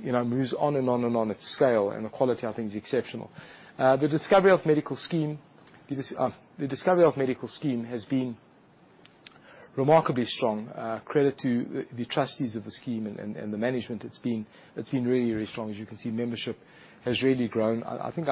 you know, moves on and on and on at scale, and the quality, I think, is exceptional. The Discovery Health Medical Scheme has been remarkably strong. Credit to the trustees of the scheme and the management. It's been really strong. As you can see, membership has really grown. Sorry,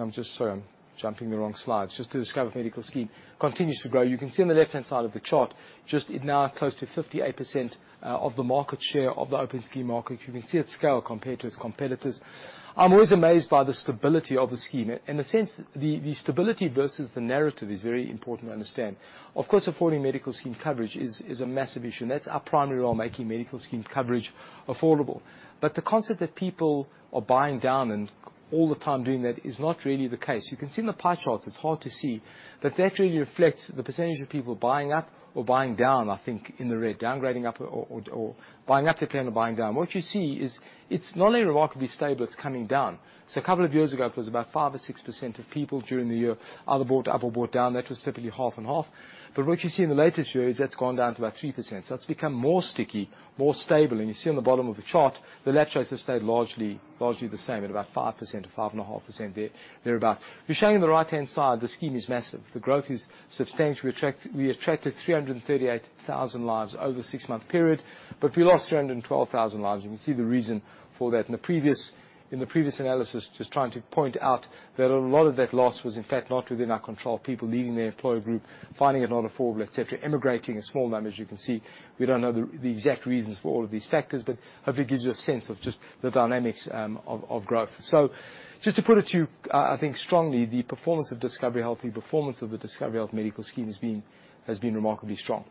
I'm jumping the wrong slides. Just the Discovery Health Medical Scheme continues to grow. You can see on the left-hand side of the chart, just it now close to 58% of the market share of the open scheme market. You can see its scale compared to its competitors. I'm always amazed by the stability of the scheme. In a sense, the stability versus the narrative is very important to understand. Of course, affording medical scheme coverage is a massive issue. That's our primary role, making medical scheme coverage affordable. The concept that people are buying down and all the time doing that is not really the case. You can see in the pie charts, it's hard to see, but that really reflects the percentage of people buying up or buying down, I think, in the red. Downgrading up or buying up their plan or buying down. What you see is it's not only remarkably stable, it's coming down. A couple of years ago, it was about 5% or 6% of people during the year either bought up or bought down. That was typically half and half. What you see in the latest year is that's gone down to about 3%. That's become more sticky, more stable. You see on the bottom of the chart, the left shows have stayed largely the same at about 5% to 5.5% there, thereabout. We're showing on the right-hand side the scheme is massive. The growth is substantial. We attracted 338,000 lives over the 6-month period, but we lost 212,000 lives. You can see the reason for that in the previous analysis, just trying to point out that a lot of that loss was in fact not within our control. People leaving their employer group, finding it unaffordable, et cetera. Emigrating, a small number, as you can see. We don't know the exact reasons for all of these factors, but hopefully it gives you a sense of just the dynamics of growth. Just to put it to you, I think strongly, the performance of Discovery Health, the performance of the Discovery Health Medical Scheme has been remarkably strong.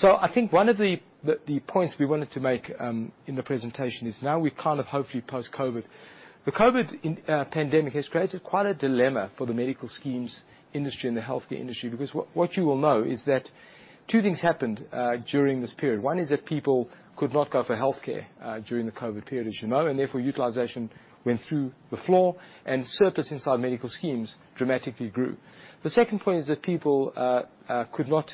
I think one of the points we wanted to make in the presentation is now we're kind of hopefully post-COVID. The COVID pandemic has created quite a dilemma for the medical schemes industry and the healthcare industry because what you will know is that two things happened during this period. One is that people could not go for healthcare during the COVID period, as you know, and therefore utilization went through the floor and surplus inside medical schemes dramatically grew. The second point is that people could not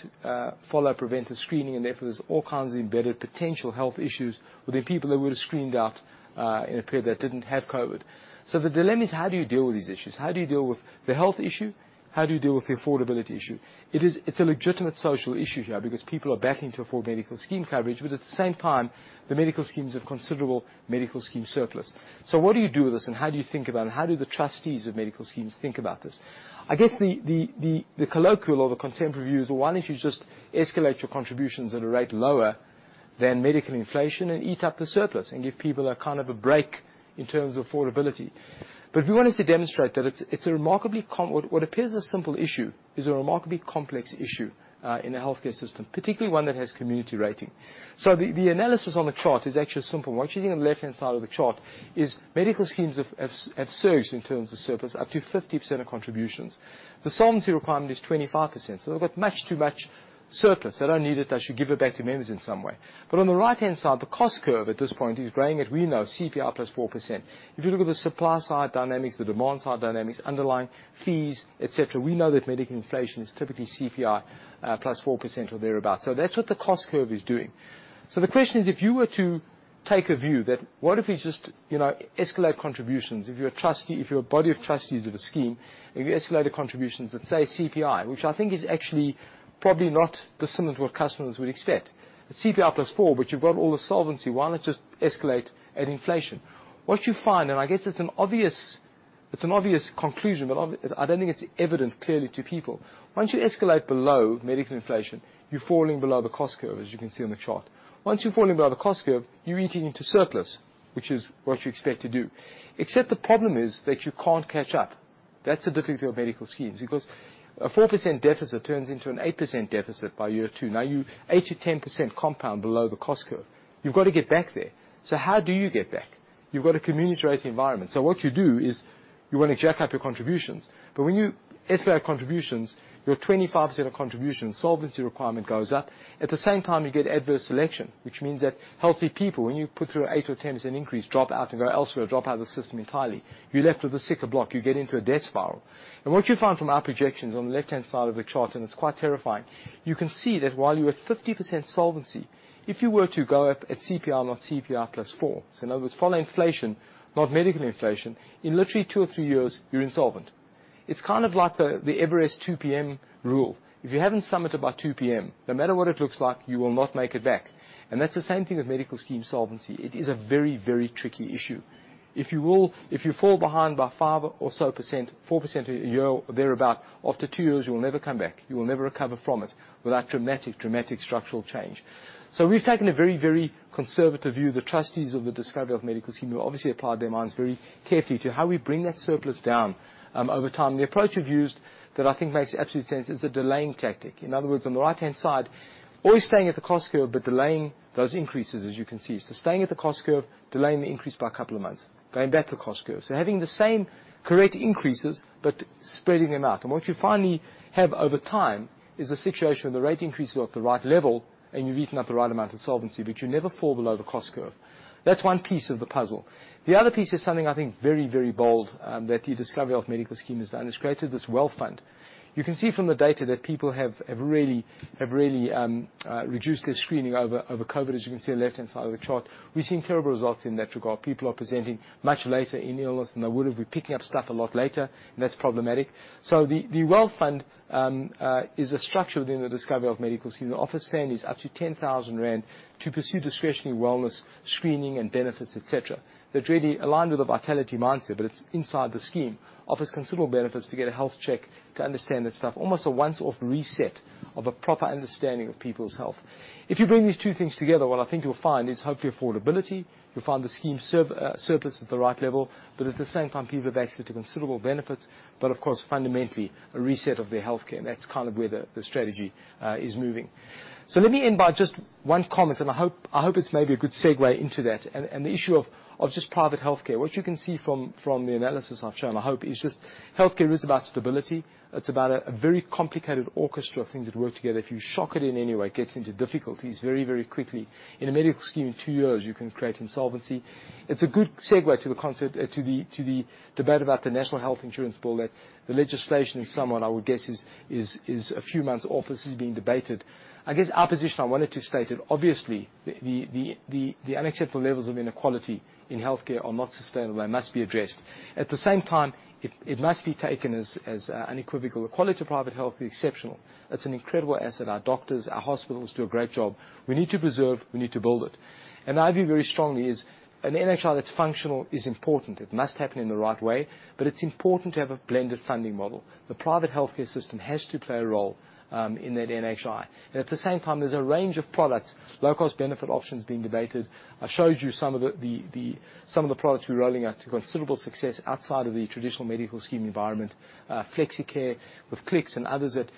follow preventive screening. Therefore, there's all kinds of embedded potential health issues with the people that would have screened out in a period that didn't have COVID. The dilemma is how do you deal with these issues? How do you deal with the health issue? How do you deal with the affordability issue? It's a legitimate social issue here because people are battling to afford medical scheme coverage. At the same time, the medical schemes have considerable medical scheme surplus. What do you do with this and how do you think about it? How do the trustees of medical schemes think about this? I guess the colloquial or the contemporary view is, well, why don't you just escalate your contributions at a rate lower than medical inflation and eat up the surplus and give people a kind of a break in terms of affordability. We wanted to demonstrate that it's a remarkably what appears a simple issue is a remarkably complex issue in a healthcare system, particularly one that has community rating. The analysis on the chart is actually a simple one. What you see on the left-hand side of the chart is medical schemes have surged in terms of surplus up to 50% of contributions. The solvency requirement is 25%. They've got much too much surplus. They don't need it. They should give it back to members in some way. On the right-hand side, the cost curve at this point is growing at, we know, CPI +4%. If you look at the supply side dynamics, the demand side dynamics, underlying fees, et cetera, we know that medical inflation is typically CPI +4% or thereabout. That's what the cost curve is doing. The question is, if you were to take a view that what if you just, you know, escalate contributions? If you're a trustee, if you're a body of trustees of a scheme, if you escalate the contributions at, say, CPI, which I think is actually probably not dissimilar to what customers would expect. It's CPI +4, but you've got all the solvency. Why not just escalate at inflation? What you find, I guess it's an obvious conclusion, but I don't think it's evident clearly to people. Once you escalate below medical inflation, you're falling below the cost curve, as you can see on the chart. Once you're falling below the cost curve, you're eating into surplus, which is what you expect to do. The problem is that you can't catch up. That's the difficulty of medical schemes, because a 4% deficit turns into an 8% deficit by year 2. You're 8%-10% compound below the cost curve. You've got to get back there. How do you get back? You've got a community rate environment. What you do is you wanna jack up your contributions. When you escalate contributions, your 25% of contributions, solvency requirement goes up. At the same time, you get adverse selection, which means that healthy people, when you put through an 8% or 10% increase, drop out and go elsewhere, drop out of the system entirely. You're left with the sicker block. You get into a death spiral. What you find from our projections on the left-hand side of the chart, and it's quite terrifying, you can see that while you're at 50% solvency, if you were to go up at CPI, not CPI +4, so in other words, follow inflation, not medical inflation, in literally two or three years, you're insolvent. It's kind of like the Everest 2:00 P.M. rule. If you haven't summited by 2:00 P.M., no matter what it looks like, you will not make it back. That's the same thing with medical scheme solvency. It is a very, very tricky issue. If you fall behind by 5% or so, 4% a year or thereabout, after two years, you will never come back. You will never recover from it without dramatic structural change. We've taken a very, very conservative view. The trustees of the Discovery Health Medical Scheme have obviously applied their minds very carefully to how we bring that surplus down over time. The approach we've used that I think makes absolute sense is a delaying tactic. In other words, on the right-hand side, always staying at the cost curve, but delaying those increases, as you can see. Staying at the cost curve, delaying the increase by a couple of months, going back to the cost curve. Having the same correct increases, but spreading them out. What you finally have over time is a situation where the rate increase is at the right level, and you're eating up the right amount of solvency, but you never fall below the cost curve. That's one piece of the puzzle. The other piece is something I think very, very bold that the Discovery Health Medical Scheme has done. It's created this WELLTH Fund. You can see from the data that people have really reduced their screening over COVID, as you can see on the left-hand side of the chart. We've seen terrible results in that regard. People are presenting much later in the illness than they would have. We're picking up stuff a lot later, and that's problematic. The WELLTH Fund is a structure within the Discovery Health Medical Scheme. The office spend is up to 10,000 rand to pursue discretionary wellness, screening and benefits, et cetera. They're really aligned with the Vitality mindset, it's inside the scheme. Offers considerable benefits to get a health check to understand that stuff. Almost a once-off reset of a proper understanding of people's health. If you bring these two things together, what I think you'll find is hopefully affordability. You'll find the scheme surplus at the right level. At the same time, people have access to considerable benefits. Of course, fundamentally, a reset of their healthcare, and that's kind of where the strategy is moving. Let me end by just one comment, and I hope it's maybe a good segue into that. The issue of just private healthcare. What you can see from the analysis I've shown, I hope, is just healthcare is about stability. It's about a very complicated orchestra of things that work together. If you shock it in any way, it gets into difficulties very quickly. In a medical scheme, in two years, you can create insolvency. It's a good segue to the concept to the debate about the National Health Insurance bill that the legislation in some way, I would guess, is a few months off. This is being debated. I guess our position, I wanted to state it. Obviously, the unacceptable levels of inequality in healthcare are not sustainable. They must be addressed. At the same time, it must be taken as unequivocal. The quality of private health is exceptional. It's an incredible asset. Our doctors, our hospitals do a great job. We need to preserve, we need to build it. Our view very strongly is an NHI that's functional is important. It must happen in the right way, it's important to have a blended funding model. The private healthcare system has to play a role in that NHI. At the same time, there's a range of products, low-cost benefit options being debated. I showed you some of the products we're rolling out to considerable success outside of the traditional medical scheme environment. FlexiCare with Clicks and others that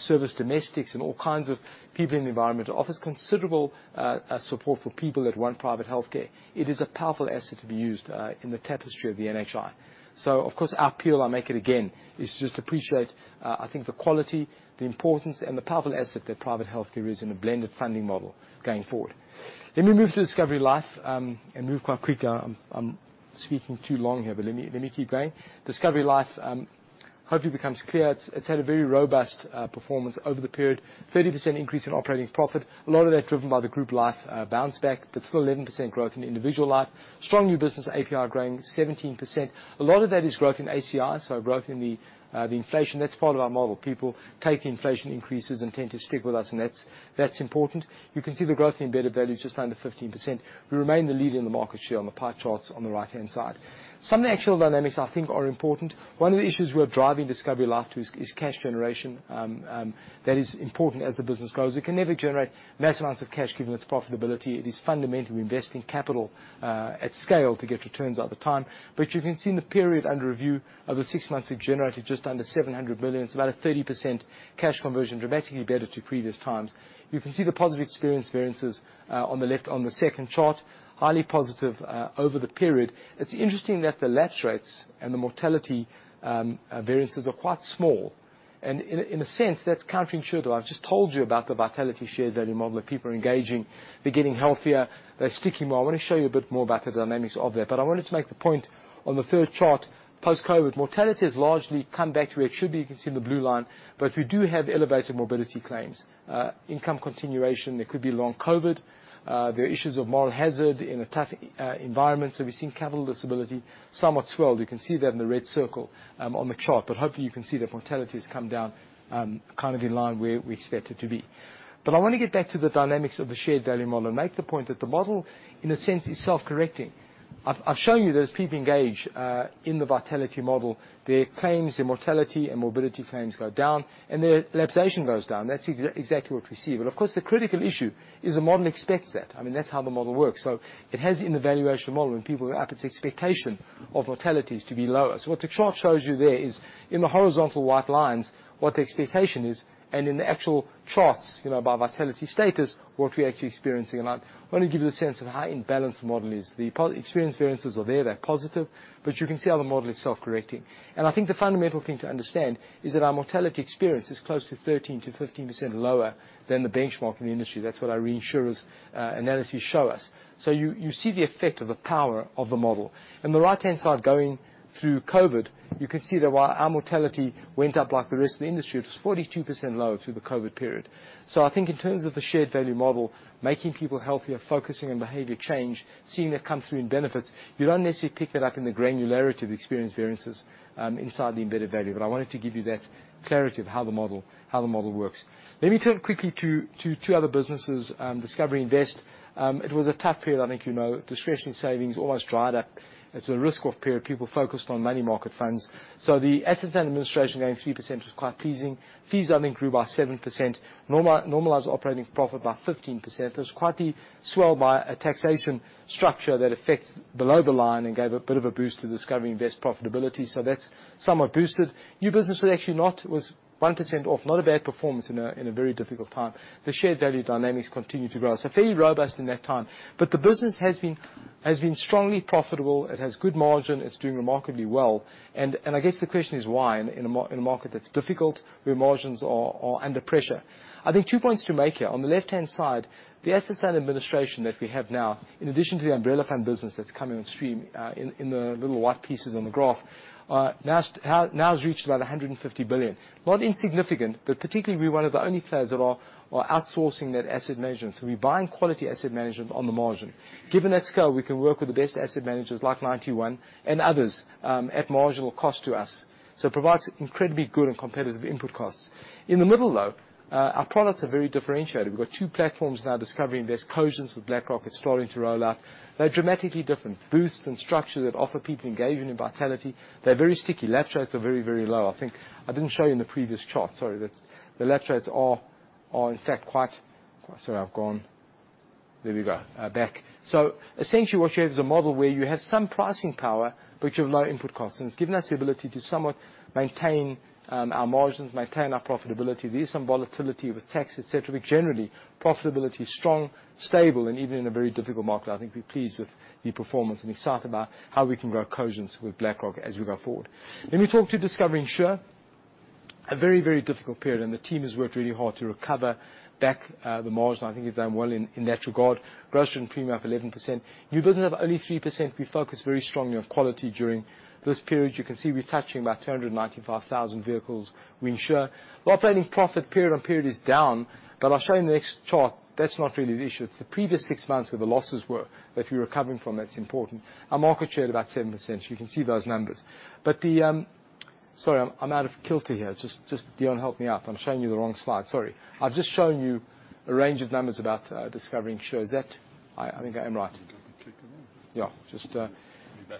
service domestics and all kinds of people in the environment. It offers considerable support for people that want private healthcare. It is a powerful asset to be used in the tapestry of the NHI. Of course, our appeal, I'll make it again, is just appreciate, I think the quality, the importance and the powerful asset that private healthcare is in a blended funding model going forward. Let me move to Discovery Life and move quite quick. I'm speaking too long here, but let me keep going. Discovery Life, hopefully becomes clear. It's had a very robust performance over the period. 30% increase in operating profit. A lot of that driven by the Group Life bounce back, but still 11% growth in individual Life. Strong new business APR growing 17%. A lot of that is growth in ACI, so growth in the inflation. That's part of our model. People take inflation increases and tend to stick with us, and that's important. You can see the growth in embedded value just under 15%. We remain the leader in the market share on the pie charts on the right-hand side. Some of the actual dynamics I think are important. One of the issues we are driving Discovery Life to is cash generation. That is important as the business grows. It can never generate massive amounts of cash given its profitability. It is fundamentally investing capital at scale to get returns over time. You can see in the period under review, over 6 months, it generated just under 700 million. It's about a 30% cash conversion, dramatically better to previous times. You can see the positive experience variances on the left on the second chart. Highly positive over the period. It's interesting that the lapse rates and the mortality variances are quite small. In a sense, that's counterintuitive. I've just told you about the Vitality shared value model, that people are engaging, they're getting healthier, they're sticking more. I wanna show you a bit more about the dynamics of that. I wanted to make the point on the third chart, post-COVID, mortality has largely come back to where it should be. You can see in the blue line. We do have elevated mobility claims. Income continuation, there could be long COVID. There are issues of moral hazard in a tough environment. We've seen capital disability somewhat swelled. You can see that in the red circle, on the chart. Hopefully you can see that mortality has come down, kind of in line where we expect it to be. I wanna get back to the dynamics of the shared value model and make the point that the model, in a sense, is self-correcting. I've shown you that as people engage in the Vitality model, their claims, their mortality and morbidity claims go down, and their lapsation goes down. That's exactly what we see. Of course, the critical issue is the model expects that. I mean, that's how the model works. It has in the valuation model, when people go up, its expectation of mortality is to be lower. What the chart shows you there is in the horizontal white lines, what the expectation is, and in the actual charts, you know, by Vitality status, what we're actually experiencing. I want to give you a sense of how in balance the model is. The experience variances are there, they're positive. You can see how the model is self-correcting. I think the fundamental thing to understand is that our mortality experience is close to 13%-15% lower than the benchmark in the industry. That's what our reinsurers' analysis show us. You see the effect of the power of the model. In the right-hand side going through COVID, you can see that while our mortality went up like the rest of the industry, it was 42% lower through the COVID period. I think in terms of the shared value model, making people healthier, focusing on behavior change, seeing that come through in benefits, you don't necessarily pick that up in the granularity of the experience variances inside the embedded value. I wanted to give you that clarity of how the model works. Let me turn quickly to two other businesses, Discovery Invest. It was a tough period, I think you know. Discretionary savings almost dried up. It's a risk-off period. People focused on money market funds. The assets under administration gained 3%, was quite pleasing. Fees I think grew by 7%. Normalized operating profit by 15%. It was quite the swell by a taxation structure that affects below the line and gave a bit of a boost to Discovery Invest profitability. That's somewhat boosted. New business was actually not. It was 1% off. Not a bad performance in a very difficult time. The shared value dynamics continued to grow. Fairly robust in that time. The business has been strongly profitable. It has good margin. It's doing remarkably well. I guess the question is why in a market that's difficult, where margins are under pressure? I think two points to make here. On the left-hand side, the assets under administration that we have now, in addition to the umbrella fund business that's coming on stream, in the little white pieces on the graph, now has reached about 150 billion. Not insignificant, but particularly we're one of the only players that are outsourcing that asset management. We're buying quality asset management on the margin. Given that scale, we can work with the best asset managers like Ninety One and others, at marginal cost to us. It provides incredibly good and competitive input costs. In the middle though, our products are very differentiated. We've got two platforms now, Discovery Invest. Cogence with BlackRock is starting to roll out. They're dramatically different. Boosts and structure that offer people engaging in Vitality. They're very sticky. Lap rates are very low. I think I didn't show you in the previous chart. Sorry. The lap rates are in fact. Sorry, I've gone... There we go. Back. Essentially what shows a model where you have some pricing power, but you have low input costs. It's given us the ability to somewhat maintain our margins, maintain our profitability. There is some volatility with tax, et cetera. Generally, profitability is strong, stable, and even in a very difficult market, I think we're pleased with the performance and excited about how we can grow Cogence with BlackRock as we go forward. Let me talk to Discovery Insure. A very, very difficult period. The team has worked really hard to recover back the margin. I think they've done well in that regard. Gross written premium up 11%. New business up only 3%. We focused very strongly on quality during this period. You can see we're touching about 295,000 vehicles we insure. Operating profit period on period is down. I'll show you in the next chart, that's not really the issue. It's the previous six months where the losses were that we're recovering from that's important. Our market share at about 10%. You can see those numbers. Sorry, I'm out of kilter here. Just, Deon, help me out. I'm showing you the wrong slide. Sorry. I've just shown you a range of numbers about Discovery Insure. Is that... I think I am right. I think you have to click again.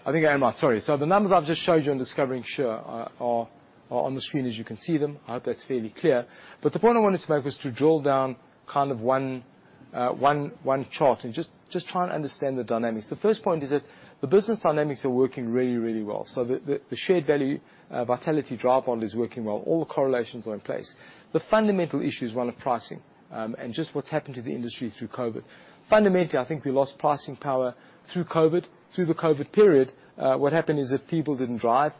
I think I am right. Sorry. The numbers I've just showed you on Discovery Insure are on the screen as you can see them. I hope that's fairly clear. The point I wanted to make was to drill down kind of one chart and just try and understand the dynamics. The first point is that the business dynamics are working really, really well. The shared value, Vitality Drive model is working well. All the correlations are in place. The fundamental issue is one of pricing, and just what's happened to the industry through COVID. Fundamentally, I think we lost pricing power through COVID. Through the COVID period, what happened is that people didn't drive.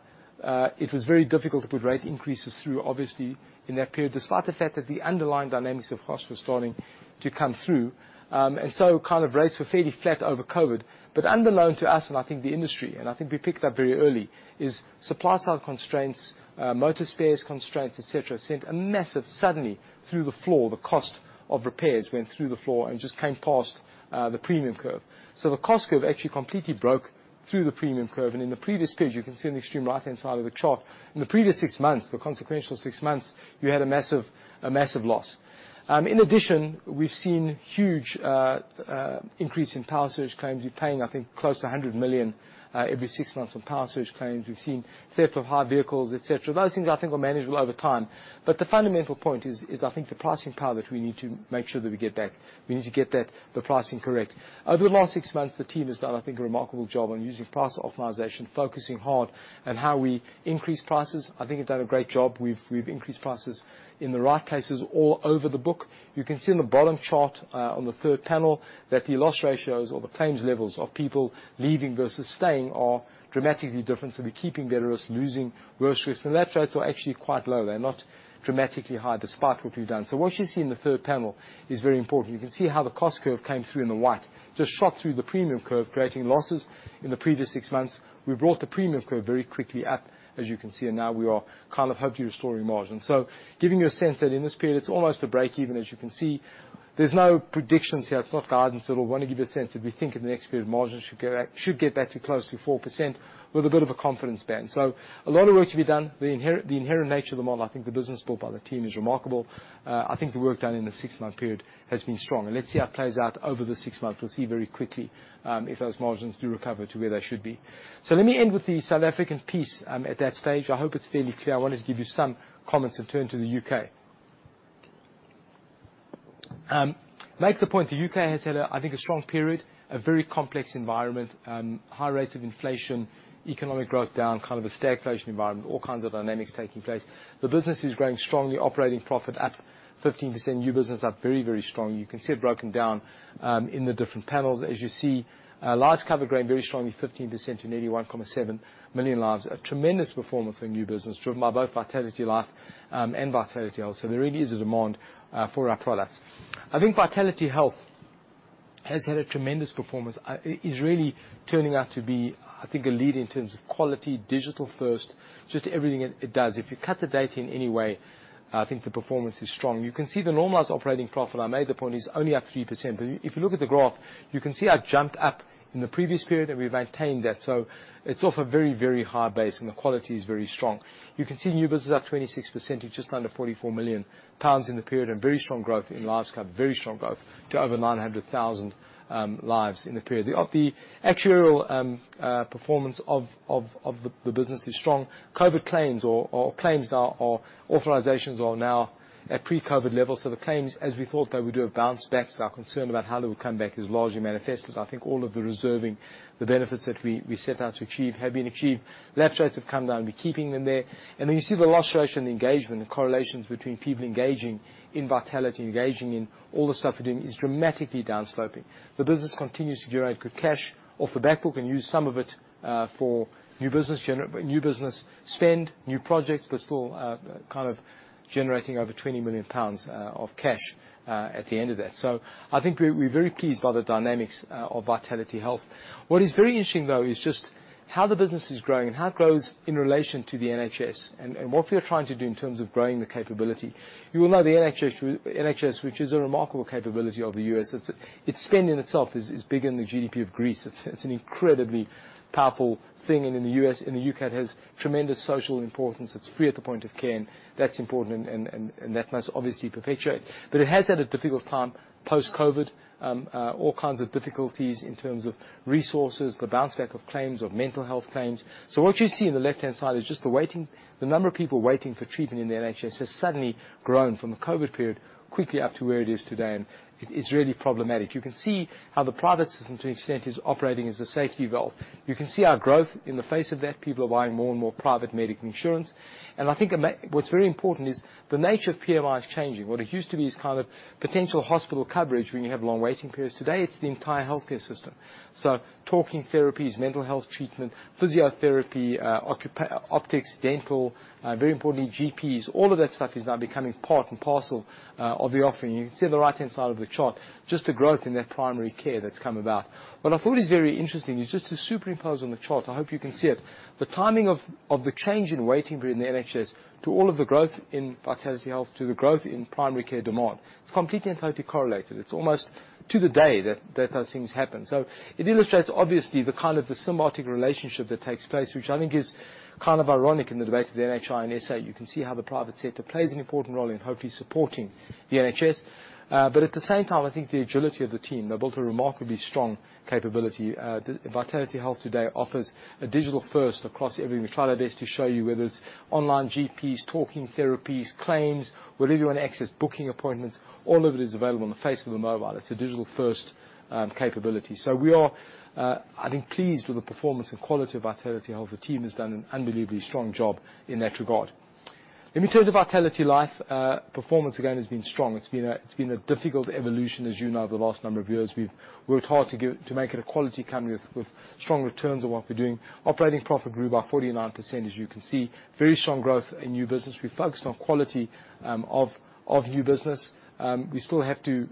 It was very difficult to put rate increases through obviously in that period, despite the fact that the underlying dynamics of cost was starting to come through. Kind of rates were fairly flat over COVID. Underlying to us, and I think the industry, and I think we picked it up very early, is supply-side constraints, motor spares constraints, et cetera, sent a massive suddenly through the floor, the cost of repairs went through the floor and just came past the premium curve. The cost curve actually completely broke through the premium curve. In the previous page, you can see on the extreme right-hand side of the chart, in the previous six months, the consequential six months, you had a massive loss. In addition, we've seen huge increase in power surge claims. We're paying, I think, close to 100 million every six months on power surge claims. We've seen theft of hire vehicles, et cetera. Those things I think will manage well over time. The fundamental point is I think the pricing power that we need to make sure that we get back. We need to get that, the pricing correct. Over the last six months, the team has done I think a remarkable job on using price optimization, focusing hard on how we increase prices. I think they've done a great job. We've increased prices in the right places all over the book. You can see in the bottom chart, on the third panel that the loss ratios or the claims levels of people leaving versus staying are dramatically different. We're keeping better risk, losing worse risk. Lap rates are actually quite low. They're not dramatically high despite what we've done. What you see in the third panel is very important. You can see how the cost curve came through in the white, just shot through the premium curve, creating losses in the previous six months. We've brought the premium curve very quickly up, as you can see, and now we are kind of hopefully restoring margin. Giving you a sense that in this period, it's almost a break-even, as you can see. There's no predictions here. It's not guidance at all. Want to give you a sense that we think in the next period, margins should go up, should get back to close to 4% with a bit of a confidence band. A lot of work to be done. The inherent nature of the model, I think the business built by the team is remarkable. I think the work done in the six-month period has been strong. Let's see how it plays out over the six months. We'll see very quickly if those margins do recover to where they should be. Let me end with the South African piece at that stage. I hope it's fairly clear. I wanted to give you some comments and turn to the U.K. Make the point, the U.K. has had a, I think a strong period, a very complex environment, high rates of inflation, economic growth down, kind of a stagflation environment, all kinds of dynamics taking place. The business is growing strongly. Operating profit up 15%. New business up very strongly. You can see it broken down in the different panels. As you see, lives cover growing very strongly, 15% to nearly 1.7 million lives. A tremendous performance in new business driven by both VitalityLife, and Vitality Health. There really is a demand for our products. I think Vitality Health has had a tremendous performance. It is really turning out to be, I think, a leader in terms of quality, digital first, just everything it does. If you cut the data in any way, I think the performance is strong. You can see the normalized operating profit, I made the point, is only up 3%. If you look at the graph, you can see how it jumped up in the previous period, and we've maintained that. It's off a very, very high base, and the quality is very strong. You can see new business up 26%. It's just under 44 million pounds in the period, and very strong growth in lives cover. Very strong growth to over 900,000 lives in the period. The actuarial performance of the business is strong. COVID claims or claims now or authorizations are now at pre-COVID levels. The claims, as we thought they would do, have bounced back. Our concern about how they would come back is largely manifested. I think all of the reserving, the benefits that we set out to achieve have been achieved. Lapse rates have come down. We're keeping them there. Then you see the loss ratio and the engagement, the correlations between people engaging in Vitality, engaging in all the stuff we're doing, is dramatically down sloping. The business continues to generate good cash off the back book and use some of it for new business spend, new projects, but still generating over 20 million pounds of cash at the end of that. I think we're very pleased by the dynamics of Vitality Health. What is very interesting, though, is just how the business is growing and how it grows in relation to the NHS, and what we are trying to do in terms of growing the capability. You will know the NHS, which is a remarkable capability of the U.S. Its spend in itself is bigger than the GDP of Greece. It's an incredibly powerful thing, and in the U.S. and the U.K., it has tremendous social importance. It's free at the point of care, that's important, and that must obviously perpetuate. It has had a difficult time post-COVID. All kinds of difficulties in terms of resources, the bounce back of claims, of mental health claims. What you see in the left-hand side is just the waiting. The number of people waiting for treatment in the NHS has suddenly grown from the COVID period quickly up to where it is today, and it's really problematic. You can see how the product system to an extent is operating as a safety valve. You can see our growth in the face of that. People are buying more and more private medical insurance. I think what's very important is the nature of PMI is changing. What it used to be is kind of potential hospital coverage when you have long waiting periods. Today, it's the entire healthcare system. Talking therapies, mental health treatment, physiotherapy, optics, dental, very importantly, GPs, all of that stuff is now becoming part and parcel of the offering. You can see on the right-hand side of the chart just the growth in that primary care that's come about. What I thought is very interesting is just to superimpose on the chart, I hope you can see it, the timing of the change in waiting period in the NHS to all of the growth in Vitality Health, to the growth in primary care demand. It's completely and totally correlated. It's almost to the day that those things happened. It illustrates obviously the kind of the symbiotic relationship that takes place, which I think is kind of ironic in the debate of the NHI in SA. You can see how the private sector plays an important role in hopefully supporting the NHS. I think the agility of the team, they've built a remarkably strong capability. The Vitality Health today offers a digital first across everything. We try our best to show you, whether it's online GPs, talking therapies, claims, wherever you want to access booking appointments, all of it is available on the face of the mobile. It's a digital first capability. We are, I think, pleased with the performance and quality of Vitality Health. The team has done an unbelievably strong job in that regard. In terms of VitalityLife, performance again has been strong. It's been a difficult evolution, as you know, over the last number of years. We've worked hard to get... to make it a quality company with strong returns on what we're doing. Operating profit grew by 49%, as you can see. Very strong growth in new business. We focused on quality of new business. We still have to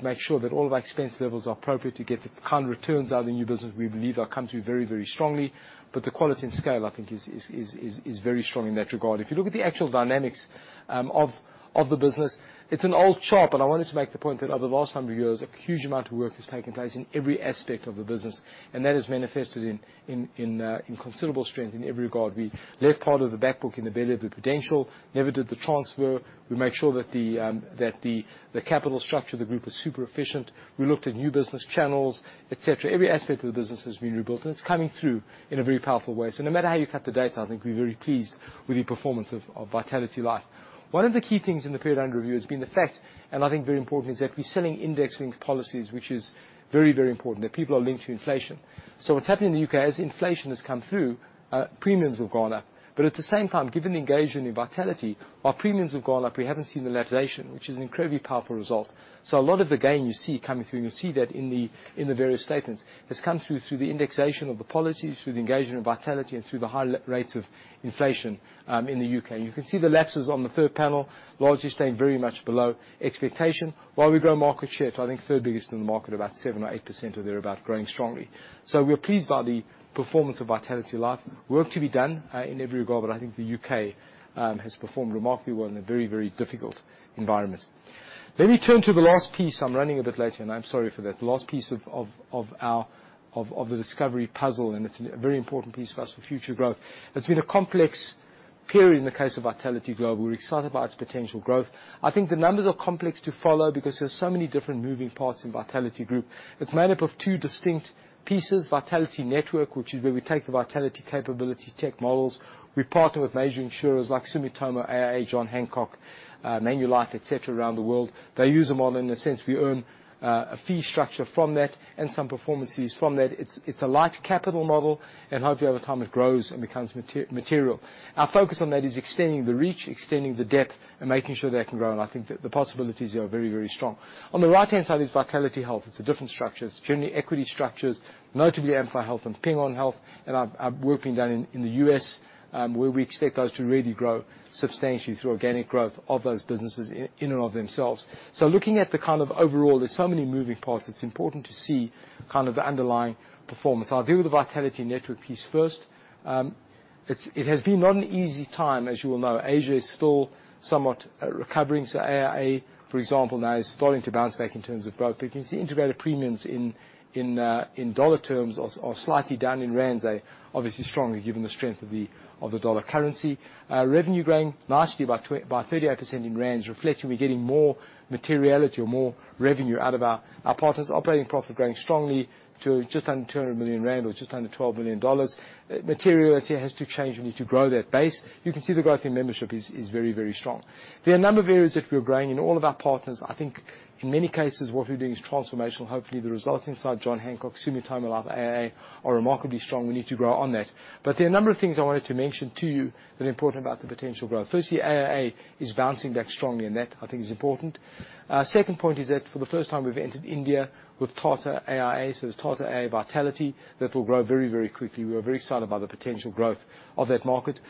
make sure that all of our expense levels are appropriate to get the kind of returns out of the new business we believe are coming through very strongly. The quality and scale, I think is very strong in that regard. If you look at the actual dynamics of the business, it's an old chart, but I wanted to make the point that over the last number of years, a huge amount of work has taken place in every aspect of the business, and that has manifested in considerable strength in every regard. We left part of the back book in the belly of the Prudential, never did the transfer. We made sure that the capital structure of the group was super efficient. We looked at new business channels, et cetera. Every aspect of the business has been rebuilt, and it's coming through in a very powerful way. No matter how you cut the data, I think we're very pleased with the performance of VitalityLife. One of the key things in the period under review has been the fact, and I think very important, is that we're selling indexing policies, which is very, very important, that people are linked to inflation. What's happened in the U.K., as inflation has come through, premiums have gone up. At the same time, given the engagement in Vitality, our premiums have gone up. We haven't seen the lapsation, which is an incredibly powerful result. A lot of the gain you see coming through, and you'll see that in the, in the various statements, has come through the indexation of the policies, through the engagement of Vitality, and through the high rates of inflation in the UK. You can see the lapses on the third panel largely staying very much below expectation. While we grow market share to I think third biggest in the market, about 7% or 8% or thereabout, growing strongly. We are pleased by the performance of Vitality Life. Work to be done in every regard, but I think the U.K. has performed remarkably well in a very, very difficult environment. Let me turn to the last piece. I'm running a bit late here, and I'm sorry for that. The last piece of our, of the Discovery puzzle, and it's a very important piece for us for future growth. It's been a complex period in the case of Vitality Global. We're excited about its potential growth. I think the numbers are complex to follow because there's so many different moving parts in Vitality Group. It's made up of two distinct pieces, Vitality Network, which is where we take the Vitality capability tech models. We partner with major insurers like Sumitomo, AIA, John Hancock, Manulife, et cetera, around the world. They use the model. In a sense, we earn a fee structure from that and some performances from that. It's a light capital model, and hopefully over time, it grows and becomes material. Our focus on that is extending the reach, extending the depth, and making sure that can grow. I think that the possibilities there are very, very strong. On the right-hand side is Vitality Health. It's a different structure. It's generally equity structures, notably Amplify Health and Ping An Health, and are working down in the U.S., where we expect those to really grow substantially through organic growth of those businesses in and of themselves. Looking at the kind of overall, there's so many moving parts, it's important to see kind of the underlying performance. I'll deal with the Vitality Network piece first. It has been not an easy time, as you will know. Asia is still somewhat recovering. AIA, for example, now is starting to bounce back in terms of growth. You can see integrated premiums in dollar terms are slightly down. In rands, they obviously strongly, given the strength of the dollar currency. Revenue growing nicely by 38% in rands, reflecting we're getting more materiality or more revenue out of our partners. Operating profit growing strongly to just under 200 million rand or just under $12 billion. Materiality has to change. We need to grow that base. You can see the growth in membership is very, very strong. There are a number of areas that we are growing in all of our partners. I think in many cases, what we're doing is transformational. Hopefully, the results inside John Hancock, Sumitomo Life, AIA are remarkably strong. We need to grow on that. There are a number of things I wanted to mention to you that are important about the potential growth. Firstly, AIA is bouncing back strongly, and that, I think, is important. Second point is that for the first time, we've entered India with Tata AIA, so there's Tata AIA Vitality that will grow very, very quickly. We are very excited about the potential growth of that market.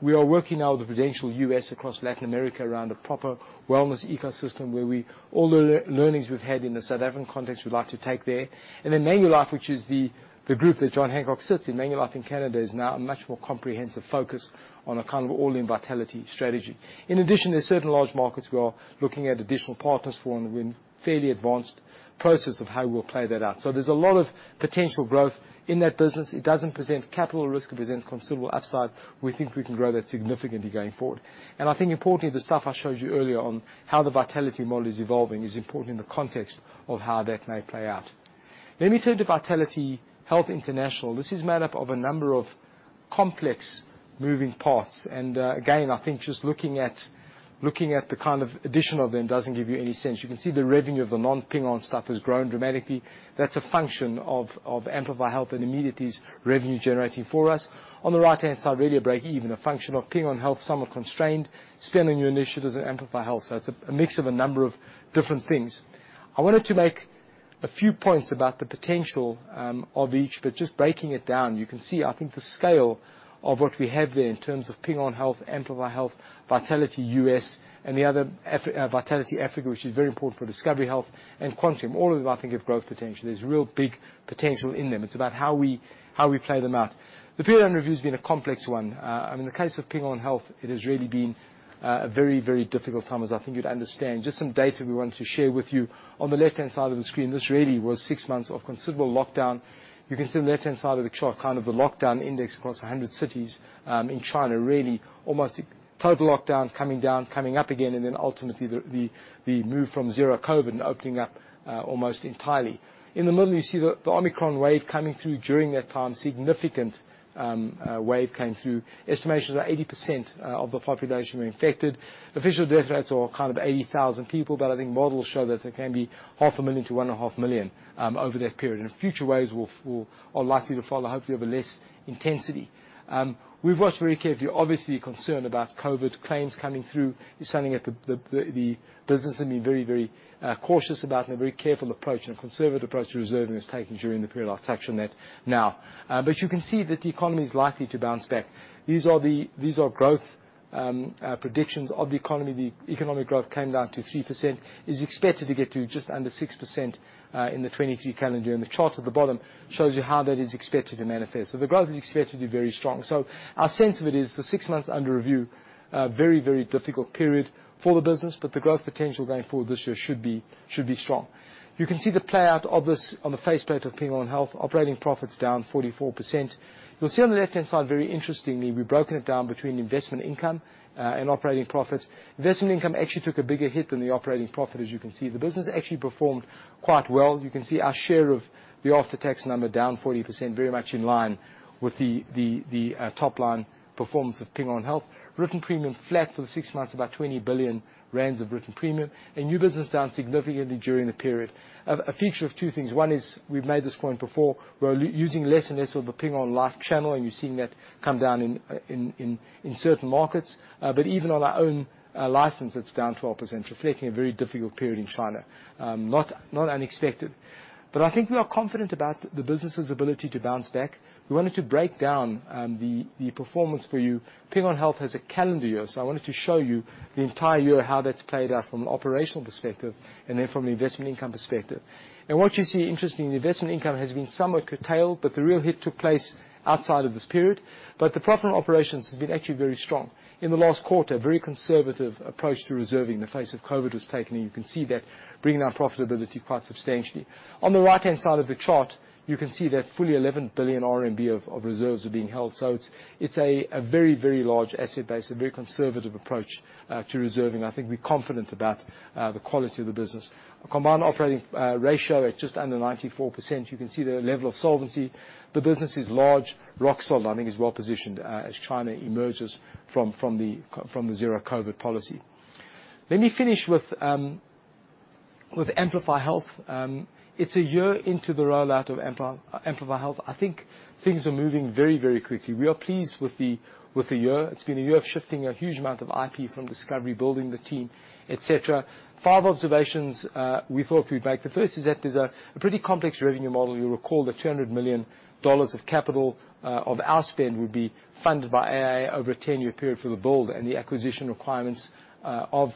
We are working now with Prudential U.S. across Latin America around a proper wellness ecosystem where all the learnings we've had in the South African context, we'd like to take there. Manulife, which is the group that John Hancock sits in, Manulife in Canada, is now a much more comprehensive focus on a kind of all-in Vitality strategy. In addition, there's certain large markets we are looking at additional partners for, we're in fairly advanced process of how we'll play that out. There's a lot of potential growth in that business. It doesn't present capital risk. It presents considerable upside. We think we can grow that significantly going forward. I think importantly, the stuff I showed you earlier on how the Vitality model is evolving is important in the context of how that may play out. Let me turn to Vitality Health International. This is made up of a number of complex moving parts. Again, I think just looking at the kind of addition of them doesn't give you any sense. You can see the revenue of the non-Ping An stuff has grown dramatically. That's a function of Amplify Health and immediate revenue generating for us. On the right-hand side, really a break even, a function of Ping An Health, somewhat constrained. Spend on new initiatives and Amplify Health. It's a mix of a number of different things. I wanted to make a few points about the potential of each, just breaking it down, you can see, I think, the scale of what we have there in terms of Ping An Health, Amplify Health, Vitality U.S., and the other Vitality Africa, which is very important for Discovery Health, and Qantas. All of that, I think, have growth potential. There's real big potential in them. It's about how we play them out. The period under review has been a complex one. I mean, in the case of Ping An Health, it has really been a very, very difficult time, as I think you'd understand. Just some data we wanted to share with you. On the left-hand side of the screen, this really was six months of considerable lockdown. You can see on the left-hand side of the chart, kind of the lockdown index across 100 cities in China, really almost a total lockdown coming down, coming up again, and then ultimately the move from zero COVID and opening up almost entirely. In the middle, you see the Omicron wave coming through during that time. Significant wave came through. Estimates are that 80% of the population were infected. Official death rates are kind of 80,000 people, but I think models show that it can be half a million to 1.5 million over that period. Future waves are likely to follow, hopefully of a less intensity. We've watched very carefully. Obviously concerned about COVID claims coming through. You're sounding at the business and being very, very cautious about and a very careful approach and a conservative approach to reserving is taken during the period. I'll touch on that now. You can see that the economy is likely to bounce back. These are growth predictions of the economy. The economic growth came down to 3%. It's expected to get to just under 6% in the 2023 calendar year. The chart at the bottom shows you how that is expected to manifest. The growth is expected to be very strong. Our sense of it is the six months under review, a very, very difficult period for the business, but the growth potential going forward this year should be strong. You can see the playout of this on the faceplate of Ping An Health. Operating profit's down 44%. You'll see on the left-hand side, very interestingly, we've broken it down between investment income and operating profit. Investment income actually took a bigger hit than the operating profit, as you can see. The business actually performed quite well. You can see our share of the after-tax number down 40%, very much in line with the top-line performance of Ping An Health. Written premium flat for the six months, about 20 billion rand of written premium. New business down significantly during the period. A feature of two things. One is we've made this point before. We're using less and less of the Ping An Life channel, and you're seeing that come down in certain markets. Even on our own license, it's down 12%, reflecting a very difficult period in China. Not unexpected. I think we are confident about the business's ability to bounce back. We wanted to break down the performance for you. Ping An Health has a calendar year. I wanted to show you the entire year, how that's played out from an operational perspective and then from an investment income perspective. What you see, interestingly, investment income has been somewhat curtailed, but the real hit took place outside of this period. The profit operations has been actually very strong. In the last quarter, a very conservative approach to reserving in the face of COVID was taken, and you can see that bringing our profitability quite substantially. On the right-hand side of the chart, you can see that fully 11 billion RMB of reserves are being held. It's a very, very large asset base, a very conservative approach to reserving. I think we're confident about the quality of the business. A combined operating ratio at just under 94%. You can see the level of solvency. The business is large, rock solid. I think it's well positioned, as China emerges from the zero COVID policy. Let me finish with Amplify Health, it's a year into the rollout of Amplify Health. I think things are moving very quickly. We are pleased with the year. It's been a year of shifting a huge amount of IP from Discovery, building the team, et cetera. Five observations we thought we'd make. The first is that there's a pretty complex revenue model. You'll recall the $200 million of capital of our spend will be funded by AIA over a 10-year period for the build and the acquisition requirements of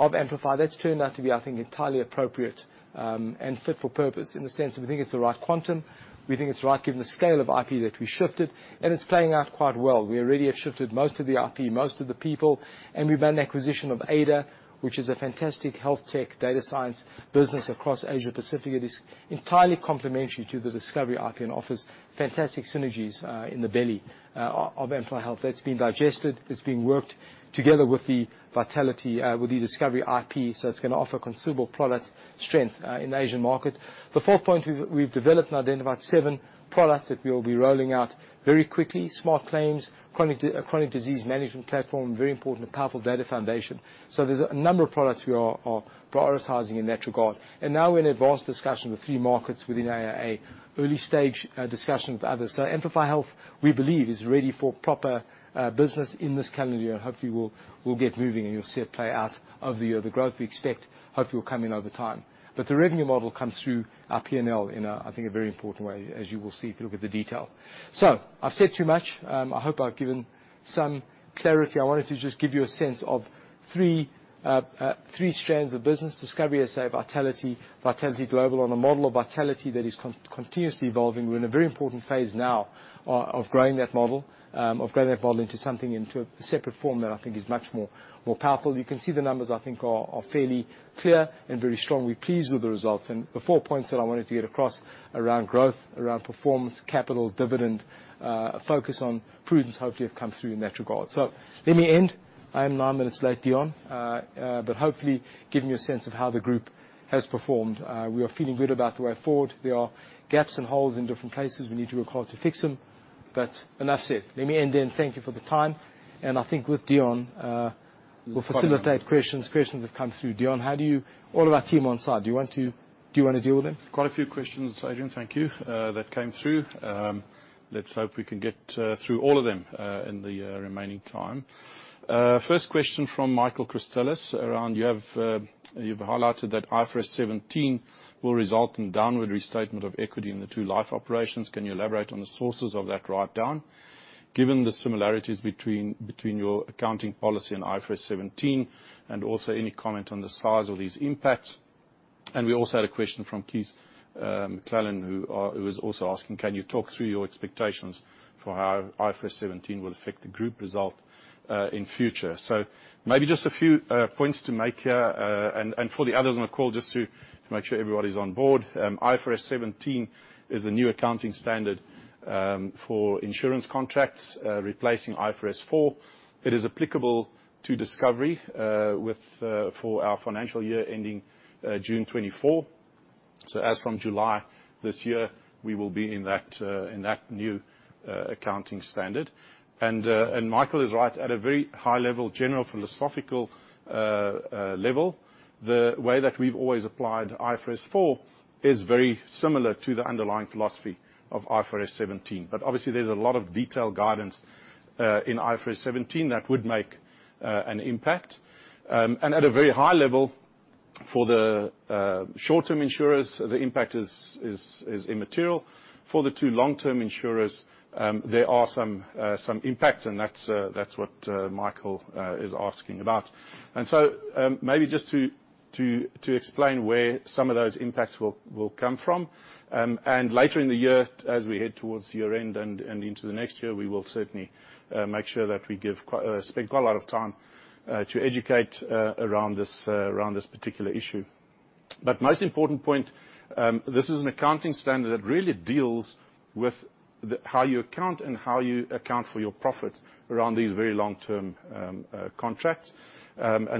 Amplify. That's turned out to be, I think, entirely appropriate, and fit for purpose in the sense that we think it's the right quantum, we think it's right given the scale of IP that we shifted, and it's playing out quite well. We already have shifted most of the IP, most of the people, and we've done acquisition of Ada, which is a fantastic health tech data science business across Asia Pacific. It is entirely complementary to the Discovery IP and offers fantastic synergies in the belly of Amplify Health. That's been digested. It's being worked together with the Vitality, with the Discovery IP, so it's gonna offer considerable product strength in the Asian market. The fourth point, we've developed and identified seven products that we will be rolling out very quickly. Smart claims, chronic disease management platform, very important and powerful data foundation. There's a number of products we are prioritizing in that regard. Now we're in advanced discussion with three markets within AIA. Early stage discussion with others. Amplify Health, we believe, is ready for proper business in this calendar year. Hopefully we'll get moving, and you'll see it play out over the year. The growth we expect hopefully will come in over time. The revenue model comes through our P&L in a, I think, a very important way, as you will see if you look at the detail. I've said too much. I hope I've given some clarity. I wanted to just give you a sense of three strands of business. Discovery SA, Vitality Global on a model of Vitality that is continuously evolving. We're in a very important phase now of growing that model, of growing that model into something into a separate form that I think is much more powerful. You can see the numbers, I think are fairly clear and very strong. We're pleased with the results. The four points that I wanted to get across around growth, around performance, capital, dividend, a focus on prudence, hopefully have come through in that regard. Let me end. I am 9 minutes late, Deon. Hopefully given you a sense of how the group has performed. We are feeling good about the way forward. There are gaps and holes in different places. We need to work hard to fix them. Enough said. Let me end then. Thank you for the time. I think with Deon, we'll facilitate questions. Questions that come through. All of our team on side. Do you wanna deal with them? Quite a few questions, Adrian, thank you, that came through. Let's hope we can get through all of them in the remaining time. First question from Michael Christelis around you have, you've highlighted that IFRS 17 will result in downward restatement of equity in the two life operations. Can you elaborate on the sources of that write down? Given the similarities between your accounting policy and IFRS 17, and also any comment on the size of these impacts. We also had a question from Keith McLachlan, who was also asking, can you talk through your expectations for how IFRS 17 will affect the group result in future? Maybe just a few points to make here. For the others on the call, just to make sure everybody's on board. IFRS 17 is a new accounting standard for insurance contracts, replacing IFRS 4. It is applicable to Discovery for our financial year ending June 2024. As from July this year, we will be in that new accounting standard. Michael is right. At a very high level, general philosophical level, the way that we've always applied IFRS 4 is very similar to the underlying philosophy of IFRS 17. Obviously, there's a lot of detailed guidance in IFRS 17 that would make an impact. At a very high level for the short-term insurers, the impact is immaterial. For the two long-term insurers, there are some impacts, and that's what Michael is asking about. So, maybe just to explain where some of those impacts will come from. Later in the year, as we head towards year-end and into the next year, we will certainly make sure that we spend quite a lot of time to educate around this around this particular issue. Most important point, this is an accounting standard that really deals with how you account and how you account for your profit around these very long-term contracts.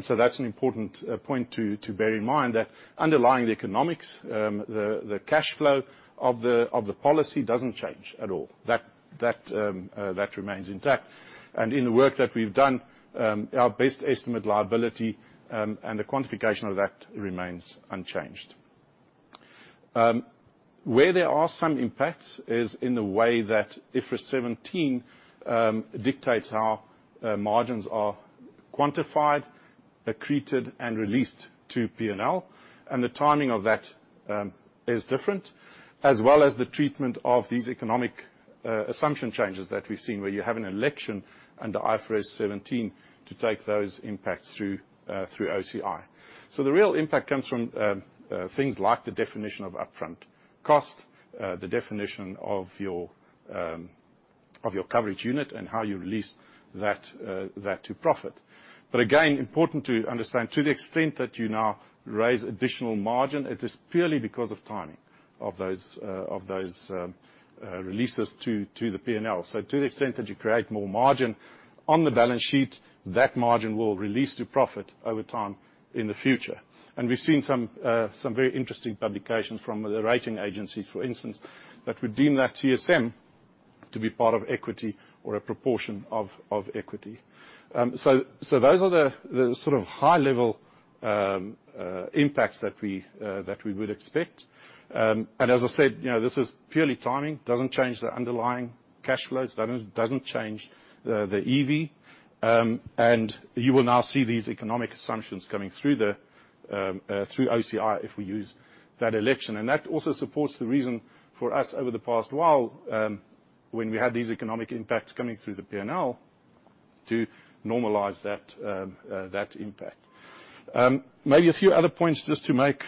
So that's an important point to bear in mind, that underlying the economics, the cash flow of the policy doesn't change at all. That remains intact. In the work that we've done, our best estimate liability, and the quantification of that remains unchanged. Where there are some impacts is in the way that IFRS 17 dictates how margins are quantified, accreted, and released to P&L, and the timing of that is different, as well as the treatment of these economic assumption changes that we've seen where you have an election under IFRS 17 to take those impacts through through OCI. The real impact comes from things like the definition of upfront cost, the definition of your of your coverage unit and how you release that that to profit. Again, important to understand to the extent that you now raise additional margin, it is purely because of timing of those of those releases to the P&L. To the extent that you create more margin on the balance sheet, that margin will release to profit over time in the future. We've seen some very interesting publications from the rating agencies, for instance, that would deem that CSM to be part of equity or a proportion of equity. Those are the sort of high-level impacts that we would expect. As I said, you know, this is purely timing. Doesn't change the underlying cash flows, doesn't change the EV, and you will now see these economic assumptions coming through OCI if we use that election. That also supports the reason for us over the past while, when we had these economic impacts coming through the P&L, to normalize that impact. Maybe a few other points just to make,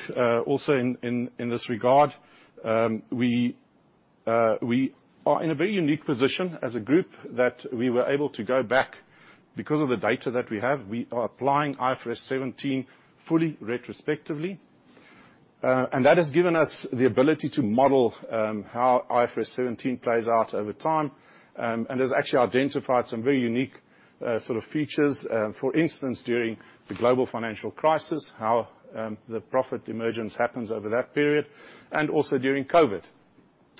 also in this regard. We are in a very unique position as a group that we were able to go back because of the data that we have. We are applying IFRS 17 fully retrospectively. That has given us the ability to model, how IFRS 17 plays out over time, and has actually identified some very unique sort of features. For instance, during the global financial crisis, how the profit emergence happens over that period and also during COVID.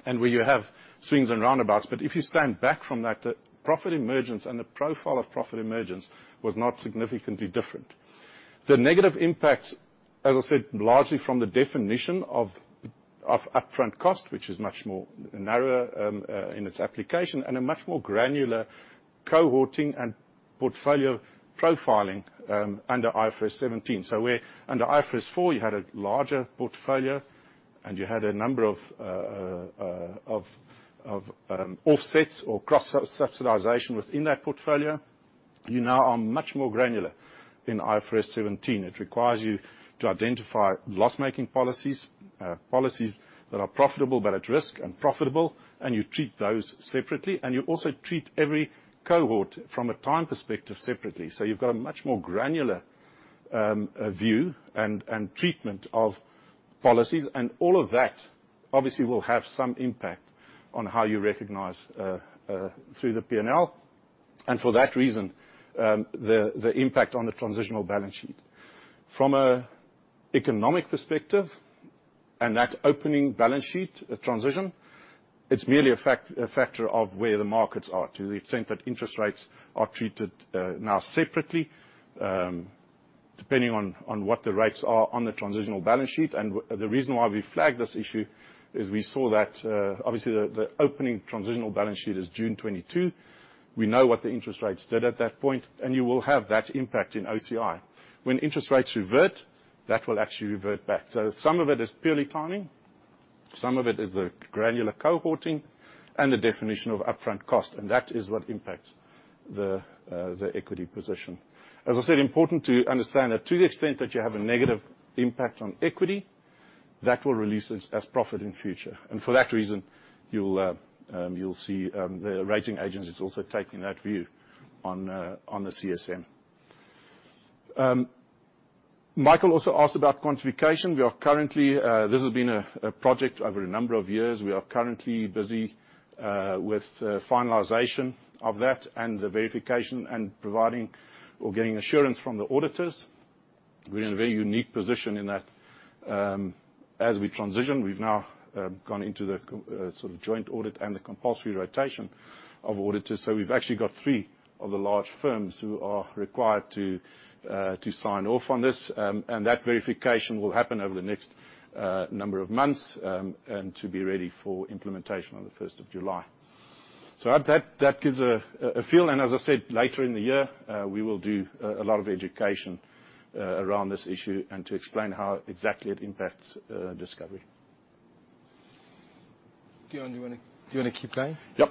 Where you have swings and roundabouts, but if you stand back from that, the profit emergence and the profile of profit emergence was not significantly different. The negative impacts, as I said, largely from the definition of upfront cost, which is much more narrower in its application, and a much more granular cohorting and portfolio profiling under IFRS 17. Where under IFRS 4 you had a larger portfolio, and you had a number of offsets or cross subsidization within that portfolio, you now are much more granular in IFRS 17. It requires you to identify loss-making policies that are profitable but at risk and profitable, and you treat those separately. You also treat every cohort from a time perspective separately. You've got a much more granular view and treatment of policies. All of that, obviously, will have some impact on how you recognize through the P&L, and for that reason, the impact on the transitional balance sheet. From a economic perspective, and that opening balance sheet, the transition, it's merely a factor of where the markets are, to the extent that interest rates are treated now separately, depending on what the rates are on the transitional balance sheet. The reason why we flagged this issue is we saw that obviously the opening transitional balance sheet is June 2022. We know what the interest rates did at that point, and you will have that impact in OCI. When interest rates revert, that will actually revert back. Some of it is purely timing. Some of it is the granular cohorting and the definition of upfront cost, that is what impacts the equity position. As I said, important to understand that to the extent that you have a negative impact on equity, that will release as profit in future. For that reason, you'll see the rating agencies also taking that view on the CSM. Michael also asked about quantification. We are currently, this has been a project over a number of years. We are currently busy with finalization of that and the verification and providing or getting assurance from the auditors. We're in a very unique position in that as we transition, we've now gone into the sort of joint audit and the compulsory rotation of auditors. We've actually got three of the large firms who are required to sign off on this. That verification will happen over the next number of months and to be ready for implementation on the 1st of July. At that gives a feel, and as I said, later in the year, we will do a lot of education around this issue and to explain how exactly it impacts Discovery. Deon, do you wanna keep going? Yep.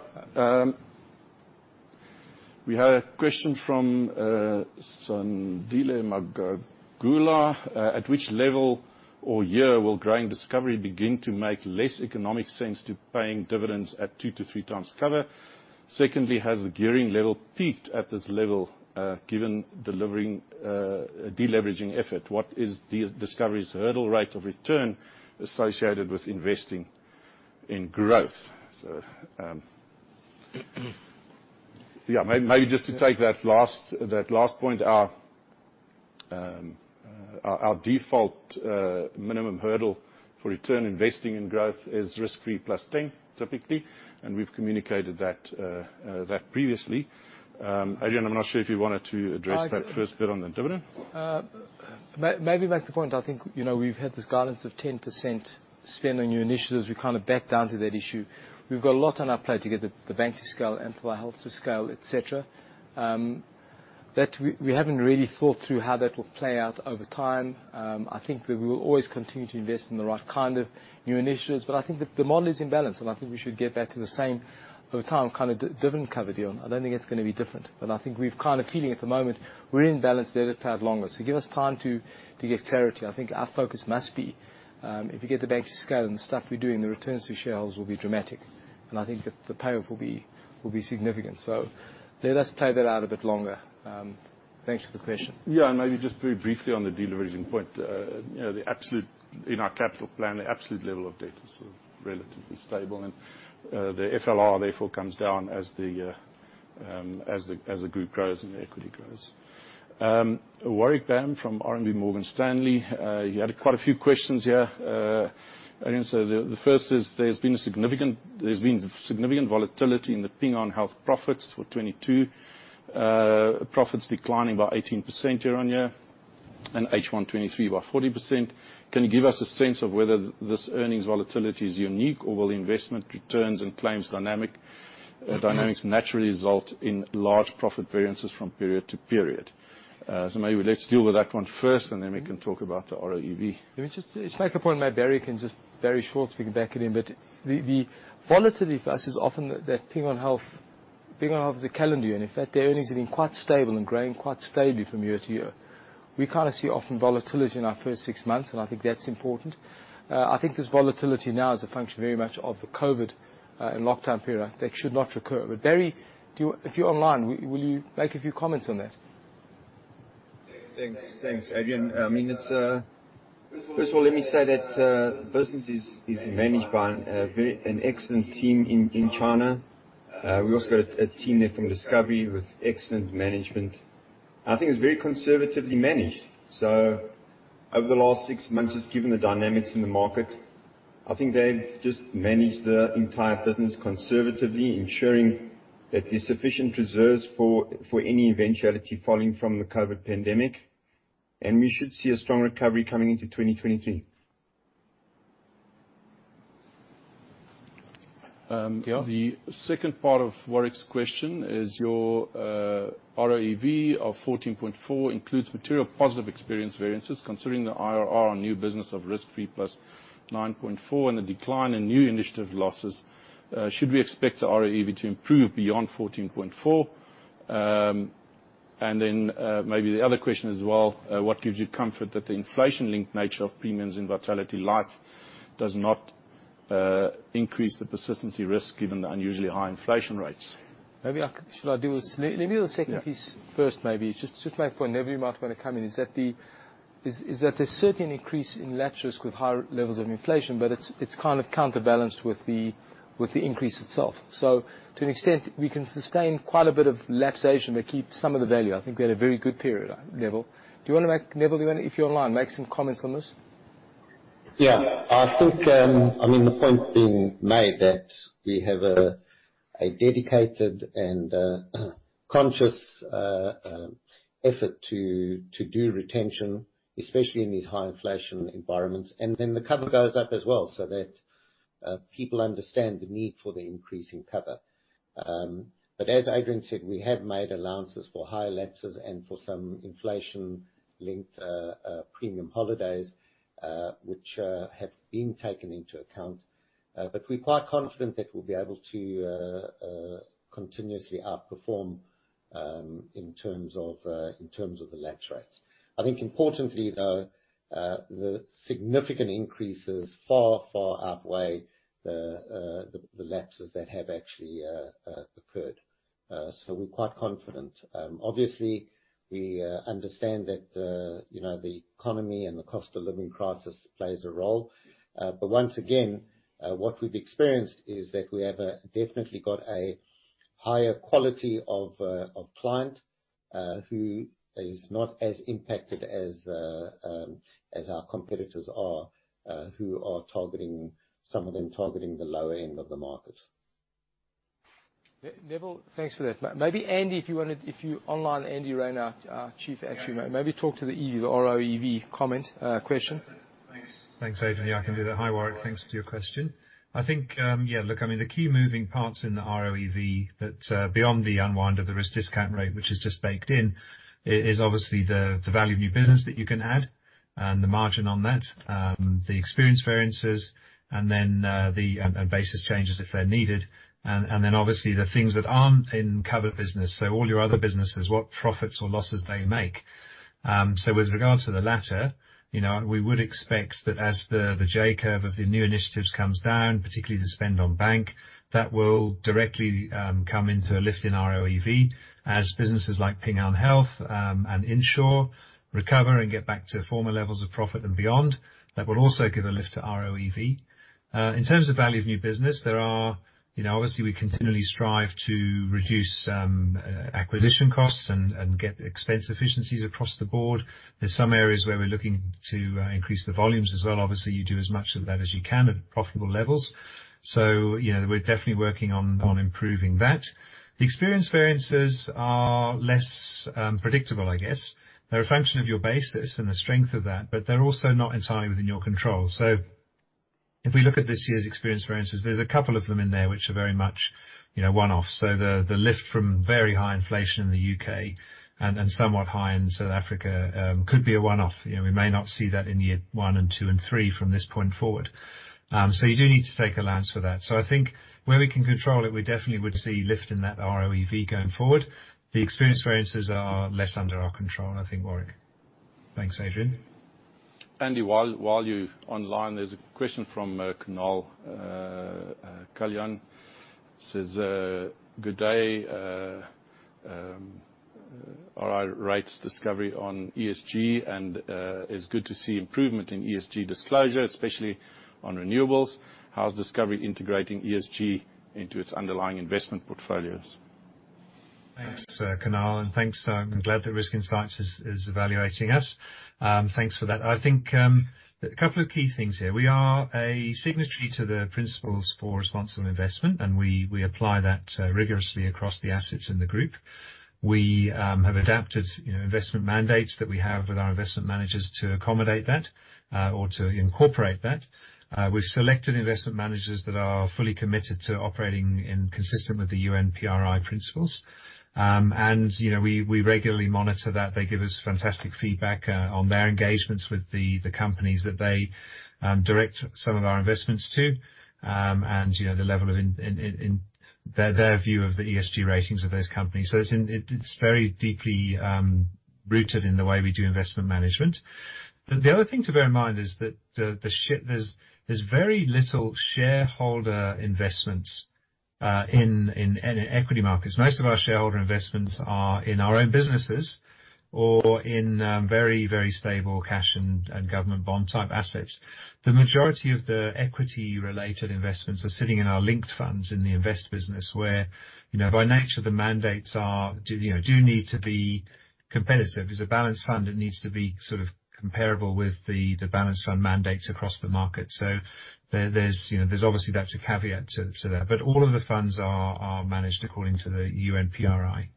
We had a question from Sandile Magugula. At which level or year will growing Discovery begin to make less economic sense to paying dividends at 2x-3x cover? Secondly, has the gearing level peaked at this level, given delivering a deleveraging effort? What is Discovery's hurdle rate of return associated with investing in growth? Yeah, maybe just to take that last point, our default minimum hurdle for return investing in growth is risk-free +10, typically. We've communicated that previously. Adrian, I'm not sure if you wanted to address that first bit on the dividend. Maybe back to the point, I think, you know, we've had this guidance of 10% spend on new initiatives. We kind of back down to that issue. We've got a lot on our plate to get the bank to scale and for our Health to scale, et cetera, that we haven't really thought through how that will play out over time. I think that we will always continue to invest in the right kind of new initiatives, but I think the model is in balance, and I think we should get back to the same over time, kind of dividend cover deal. I don't think it's gonna be different. I think we've kind of feeling at the moment we're in balance, let it play out longer. Give us time to get clarity. I think our focus must be, if you get the bank to scale and the stuff we're doing, the returns for shareholders will be dramatic. I think that the payoff will be significant. Let us play that out a bit longer. Thanks for the question. Yeah, and maybe just very briefly on the deleveraging point. You know, the absolute, in our capital plan, the absolute level of debt is, sort of, relatively stable. The FLR therefore comes down as the group grows and the equity grows. Warwick Bam from RMB Morgan Stanley, you had quite a few questions here. The first is there's been significant volatility in the Ping An Health profits for 2022, profits declining by 18% year-on-year, and H1 2023 by 40%. Can you give us a sense of whether this earnings volatility is unique or will investment returns and claims dynamics naturally result in large profit variances from period to period? Maybe let's deal with that one first, and then we can talk about the ROEV. Let me just make a point, maybe Barry can just very shortly speak back at him. The volatility for us is often that Ping An Health is a calendar year, and in fact, their earnings have been quite stable and growing quite steadily from year to year. We kind of see often volatility in our first 6 months, and I think that's important. I think this volatility now is a function very much of the COVID and lockdown period that should not recur. Barry, if you're online, will you make a few comments on that? Thanks. Thanks, Adrian. I mean, it's. First of all, let me say that business is managed by an excellent team in China. We also got a team there from Discovery with excellent management. I think it's very conservatively managed. Over the last six months, just given the dynamics in the market, I think they've just managed the entire business conservatively, ensuring that there's sufficient reserves for any eventuality falling from the COVID pandemic. We should see a strong recovery coming into 2023. Um- Yeah. The second part of Warwick's question is your ROEV of 14.4 includes material positive experience variances considering the IRR on new business of risk free +9.4% and the decline in new initiative losses. Should we expect the ROEV to improve beyond 14.4? What gives you comfort that the inflation-linked nature of premiums in VitalityLife does not increase the persistency risk given the unusually high inflation rates? Let me do the second piece first, maybe. Just make a point. Neville, you might wanna come in. Is that there's certainly an increase in lapse risk with higher levels of inflation, but it's kind of counterbalanced with the increase itself. To an extent, we can sustain quite a bit of lapsation, but keep some of the value. I think we had a very good period, Neville. Neville, if you're online, make some comments on this. Yeah. I think, I mean, the point being made that we have a dedicated and conscious effort to do retention, especially in these high inflation environments. The cover goes up as well so that people understand the need for the increase in cover. As Adrian said, we have made allowances for high lapses and for some inflation-linked premium holidays, which have been taken into account. We're quite confident that we'll be able to continuously outperform in terms of in terms of the lapse rates. I think importantly, though, the significant increases far, far outweigh the lapses that have actually occurred. We're quite confident. Obviously, we understand that, you know, the economy and the cost of living crisis plays a role. Once again, what we've experienced is that we have definitely got a higher quality of client who is not as impacted as our competitors are, who are some of them targeting the lower end of the market. Neville, thanks for that. Maybe Andy, if you online, Andrew Rayner, our Chief Actuary. Maybe talk to the ROEV comment, question. Thanks. Thanks, Adrian. I can do that. Hi, Warwick. Thanks for your question. I think, yeah, look, I mean, the key moving parts in the ROEV that beyond the unwind of the risk discount rate, which is just baked in, is obviously the value of new business that you can add and the margin on that, the experience variances, and then basis changes if they're needed. Then obviously the things that aren't in covered business. All your other businesses, what profits or losses they make. With regards to the latter, you know, we would expect that as the J-curve of the new initiatives comes down, particularly the spend on Bank, that will directly come into a lift in ROEV as businesses like Ping An Health and Insure recover and get back to former levels of profit and beyond. That will also give a lift to ROEV. In terms of value of new business, you know, obviously, we continually strive to reduce acquisition costs and get expense efficiencies across the board. There's some areas where we're looking to increase the volumes as well. Obviously, you do as much of that as you can at profitable levels. You know, we're definitely working on improving that. The experience variances are less predictable, I guess. They're a function of your basis and the strength of that, but they're also not entirely within your control. If we look at this year's experience variances, there's a couple of them in there which are very much, you know, one-off. The, the lift from very high inflation in the U.K. and somewhat high in South Africa, could be a one-off. You know, we may not see that in year one and two and three from this point forward. You do need to take allowance for that. I think where we can control it, we definitely would see lift in that ROEV going forward. The experience variances are less under our control, I think, Warwick. Thanks, Adrian. Andy, while you're online, there's a question from Kunaal Kalyan. Says, good day Are our rates Discovery on ESG? It's good to see improvement in ESG disclosure, especially on renewables. How's Discovery integrating ESG into its underlying investment portfolios? Thanks, Kunal, thanks. I'm glad that Risk Insights is evaluating us. Thanks for that. I think a couple of key things here. We are a signatory to the principles for responsible investment, we apply that rigorously across the assets in the group. We have adapted, you know, investment mandates that we have with our investment managers to accommodate that or to incorporate that. We've selected investment managers that are fully committed to operating in consistent with the UNPRI principles. You know, we regularly monitor that. They give us fantastic feedback on their engagements with the companies that they direct some of our investments to, you know, the level of in their view of the ESG ratings of those companies. It's in, it's very deeply rooted in the way we do investment management. The other thing to bear in mind is that there's very little shareholder investments in equity markets. Most of our shareholder investments are in our own businesses or in very, very stable cash and government bond-type assets. The majority of the equity-related investments are sitting in our linked funds in the Invest business, where, you know, by nature, the mandates are, you know, do need to be competitive. As a balanced fund, it needs to be sort of comparable with the balanced fund mandates across the market. There's, you know, there's obviously that's a caveat to that. But all of the funds are managed according to the UNPRI.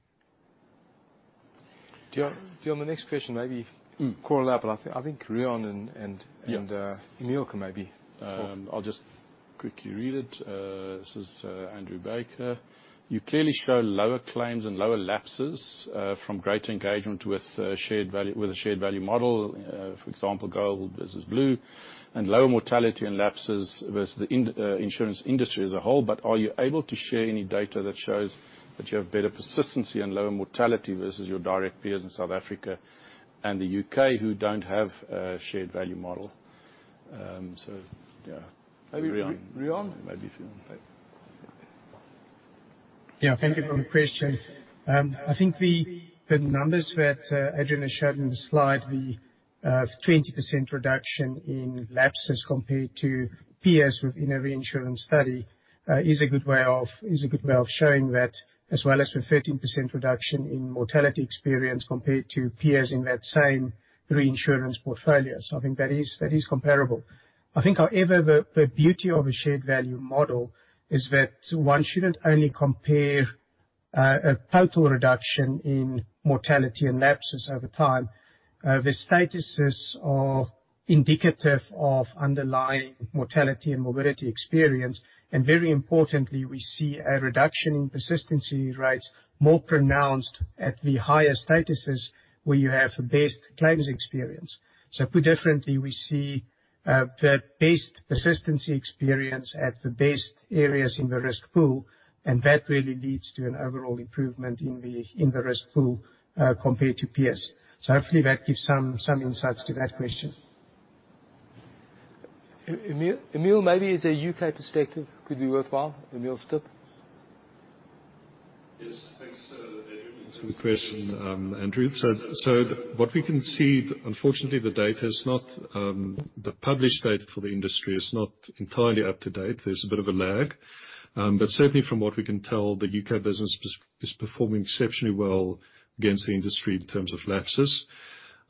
Do you want the next question, maybe correlate, but I think Riaan and Emil can maybe talk. I'll just quickly read it. This is Andrew Baker. You clearly show lower claims and lower lapses from greater engagement with the shared value model, for example, gold versus blue, and lower mortality and lapses versus the insurance industry as a whole. Are you able to share any data that shows that you have better persistency and lower mortality versus your direct peers in South Africa and the UK who don't have a shared value model? Maybe Riaan. Maybe Riaan. Maybe if you want. Yeah, thank you for the question. I think the numbers that Adrian has shown in the slide, the 20% reduction in lapses compared to peers within a reinsurance study, is a good way of showing that, as well as the 13% reduction in mortality experience compared to peers in that same reinsurance portfolio. I think that is comparable. I think however, the beauty of a shared value model is that one shouldn't only compare a total reduction in mortality and lapses over time. The statuses are indicative of underlying mortality and morbidity experience, and very importantly, we see a reduction in persistency rates more pronounced at the higher statuses where you have the best claims experience. Put differently, we see the best persistency experience at the best areas in the risk pool, and that really leads to an overall improvement in the, in the risk pool, compared to peers. Hopefully that gives some insights to that question. Emil, maybe as a U.K. perspective, could be worthwhile. Emil Stipp. Yes. Thanks, Adrian. Good question, Andrew. What we can see, unfortunately, the data is not, the published data for the industry is not entirely up to date. There's a bit of a lag. Certainly from what we can tell, the UK business is performing exceptionally well against the industry in terms of lapses.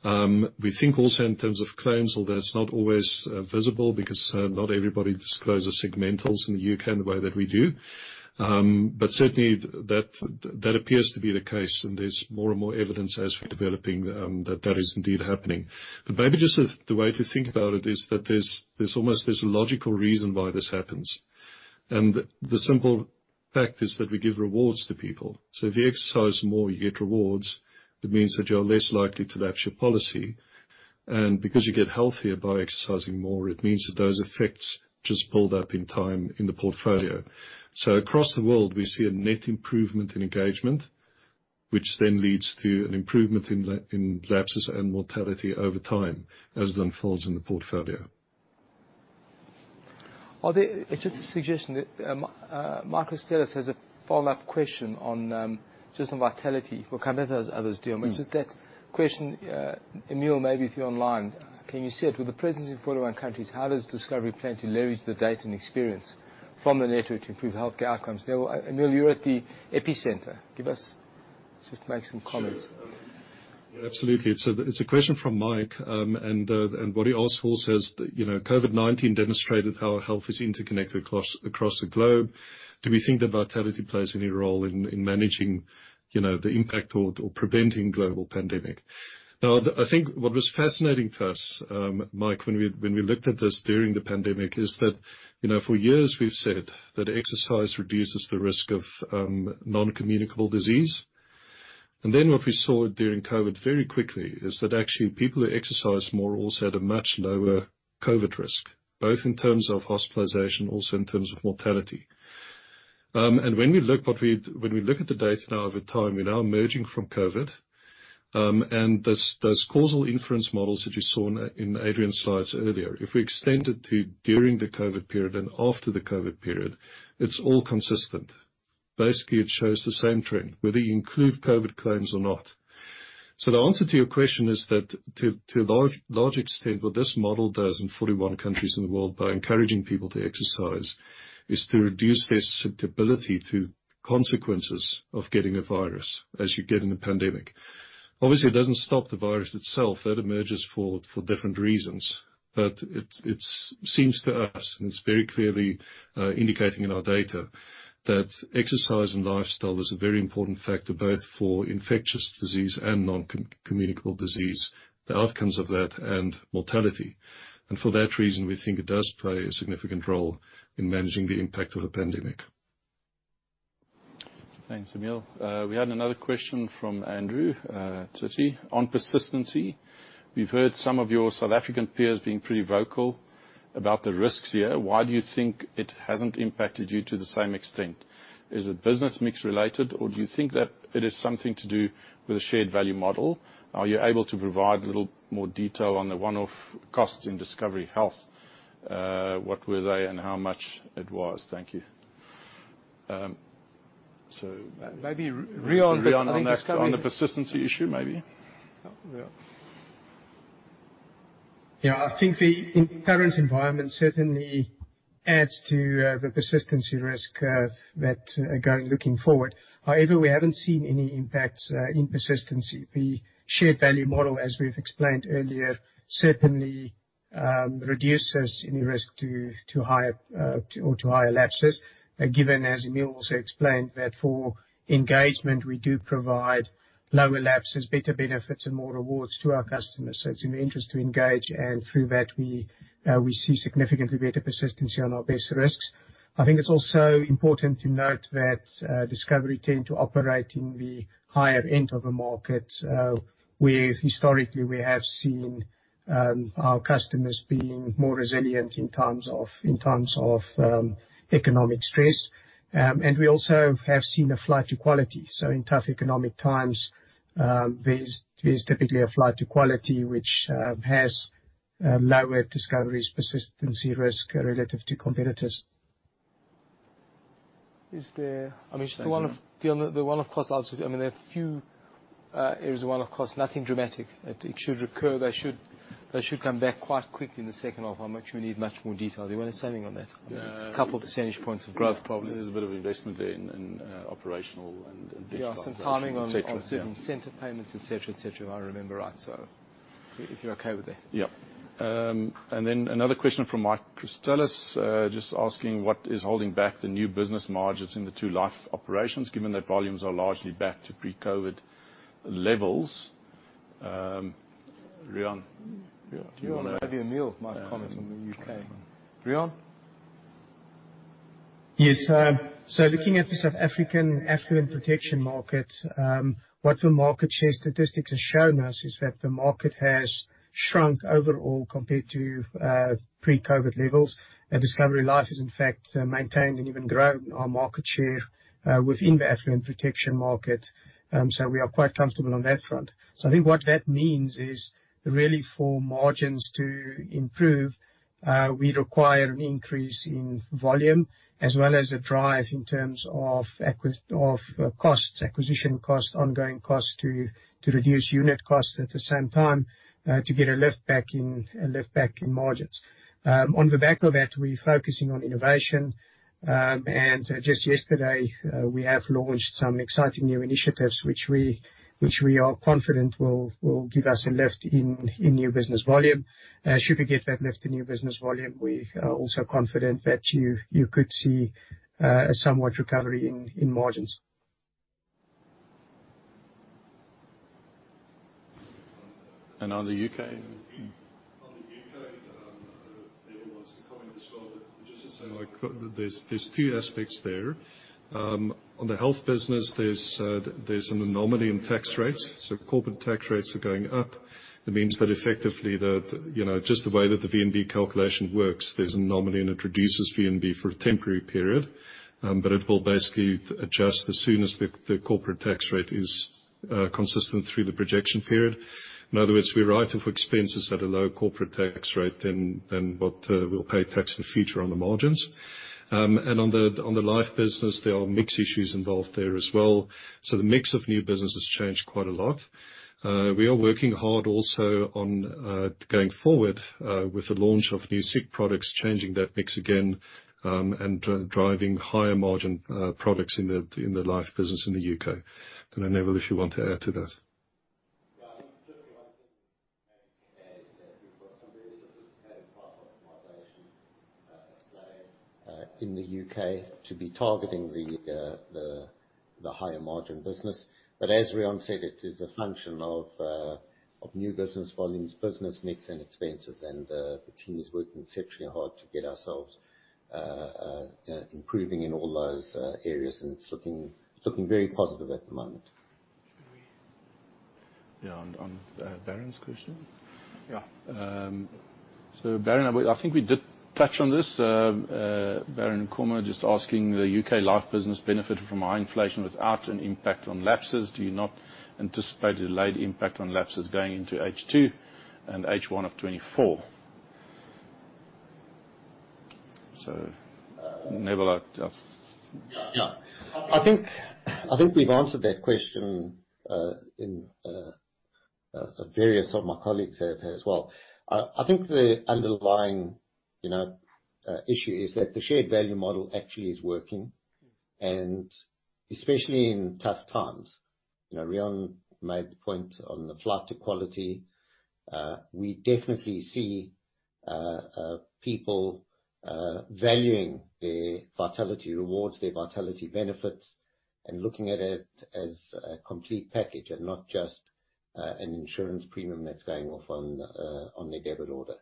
We think also in terms of claims, although it's not always visible because, not everybody discloses segmentals in the U.K.. The way that we do. Certainly that appears to be the case, and there's more and more evidence as we're developing, that that is indeed happening. Maybe just the way to think about it is that there's almost this logical reason why this happens. The simple fact is that we give rewards to people. If you exercise more, you get rewards. It means that you're less likely to lapse your policy. Because you get healthier by exercising more, it means that those effects just build up in time in the portfolio. Across the world, we see a net improvement in engagement, which then leads to an improvement in lapses and mortality over time as it unfolds in the portfolio. It's just a suggestion that Michael Christelis has a follow-up question on just on Vitality. We'll come back to others, too. Just that question, Emil, maybe if you're online, can you see it? With the presence in 41 countries, how does Discovery plan to leverage the data and experience from the network to improve healthcare outcomes? Now, Emil, you're at the epicenter. Just make some comments. Sure. Absolutely. It's a question from Mike, what he asks for says that, you know, COVID-19 demonstrated how our health is interconnected across the globe. Do we think that Vitality plays any role in managing, you know, the impact or preventing global pandemic? I think what was fascinating to us, Mike, when we looked at this during the pandemic is that, you know, for years we've said that exercise reduces the risk of non-communicable disease. What we saw during COVID very quickly is that actually people who exercise more also had a much lower COVID risk, both in terms of hospitalization, also in terms of mortality. When we look... When we look at the data now over time, we're now emerging from COVID. Those causal inference models that you saw in Adrian's slides earlier, if we extend it to during the COVID period and after the COVID period, it's all consistent. Basically, it shows the same trend, whether you include COVID claims or not. The answer to your question is that to a large extent, what this model does in 41 countries in the world by encouraging people to exercise, is to reduce their susceptibility to consequences of getting a virus as you get in a pandemic. Obviously, it doesn't stop the virus itself. That emerges for different reasons. It, it's seems to us, and it's very clearly indicating in our data, that exercise and lifestyle is a very important factor both for infectious disease and non-communicable disease, the outcomes of that and mortality. For that reason, we think it does play a significant role in managing the impact of a pandemic. Thanks, Emile. We had another question from Andrew Baker. On persistency, we've heard some of your South African peers being pretty vocal about the risks here. Why do you think it hasn't impacted you to the same extent? Is it business mix related, or do you think that it is something to do with the shared value model? Are you able to provide a little more detail on the one-off costs in Discovery Health? What were they and how much it was? Thank you. Maybe Riaan. Riaan, on that, on the persistency issue, maybe. Yeah. Yeah, I think the current environment certainly adds to the persistency risk of that going looking forward. We haven't seen any impacts in persistency. The shared value model, as we've explained earlier, certainly reduces any risk to higher lapses. Given, as Emile also explained, that for engagement, we do provide lower lapses, better benefits, and more rewards to our customers, so it's in the interest to engage, and through that we see significantly better persistency on our base risks. I think it's also important to note that Discovery tend to operate in the higher end of the market, where historically we have seen our customers being more resilient in terms of economic stress. We also have seen a flight to quality. In tough economic times, there's typically a flight to quality which has lower Discovery's persistency risk relative to competitors. I mean, just the one-off costs. Obviously, I mean, there are few areas of one-off cost. Nothing dramatic. It should recur. They should come back quite quickly in the second half. How much we need much more detail. Do you wanna say anything on that? Yeah. A couple percentage points of growth probably. There's a bit of investment there in operational and. Yeah, some timing on... Et cetera. on certain center payments, et cetera, et cetera, if I remember right. If you're okay with that. Yeah. Then another question from Michael Christelis, just asking: What is holding back the new business margins in the two life operations, given that volumes are largely back to pre-COVID levels? Riaan? Do you wanna- Maybe Hylton might comment on the U.K.. Riaan? Yes. Looking at the South African affluent protection market, what the market share statistics have shown us is that the market has shrunk overall compared to pre-COVID levels. Discovery Life has in fact maintained and even grown our market share within the affluent protection market. We are quite comfortable on that front. I think what that means is really for margins to improve, we require an increase in volume as well as a drive in terms of Of costs, acquisition costs, ongoing costs, to reduce unit costs at the same time, to get a lift back in margins. On the back of that, we're focusing on innovation. Just yesterday, we have launched some exciting new initiatives which we are confident will give us a lift in new business volume. Should we get that lift in new business volume, we are also confident that you could see a somewhat recovery in margins. On the U.K.? On the UK, Neville wants to comment as well. Just to say, like, there's two aspects there. On the health business, there's an anomaly in tax rates. Corporate tax rates are going up. It means that effectively You know, just the way that the VNB calculation works, there's an anomaly and it reduces VNB for a temporary period. It will basically adjust as soon as the corporate tax rate is consistent through the projection period. In other words, we write off expenses at a low corporate tax rate than what we'll pay tax in the future on the margins. On the life business, there are mix issues involved there as well. The mix of new business has changed quite a lot. We are working hard also on going forward with the launch of new seek products, changing that mix again, and driving higher margin products in the life business in the U.K.. Don't know, Neville, if you want to add to that. Yeah, I think just the one thing to add is that we've got some really interesting kind of price optimization play in the U.K. to be targeting the higher margin business. As Riaan said, it is a function of new business volumes, business mix and expenses. The team is working exceptionally hard to get ourselves improving in all those areas, and it's looking very positive at the moment. Should we- Yeah Varun's question? Yeah. Baron, I think we did touch on this. Varun Kumar just asking the UK life business benefited from high inflation without an impact on lapses, do you not anticipate a delayed impact on lapses going into H2 and H1 of 2024? Neville, yeah. Yeah. I think we've answered that question, in various of my colleagues have here as well. I think the underlying, you know, issue is that the shared value model actually is working, especially in tough times. You know, Riaan made the point on the flight to quality. We definitely see people valuing their Vitality rewards, their Vitality benefits, and looking at it as a complete package and not just an insurance premium that's going off on their debit order.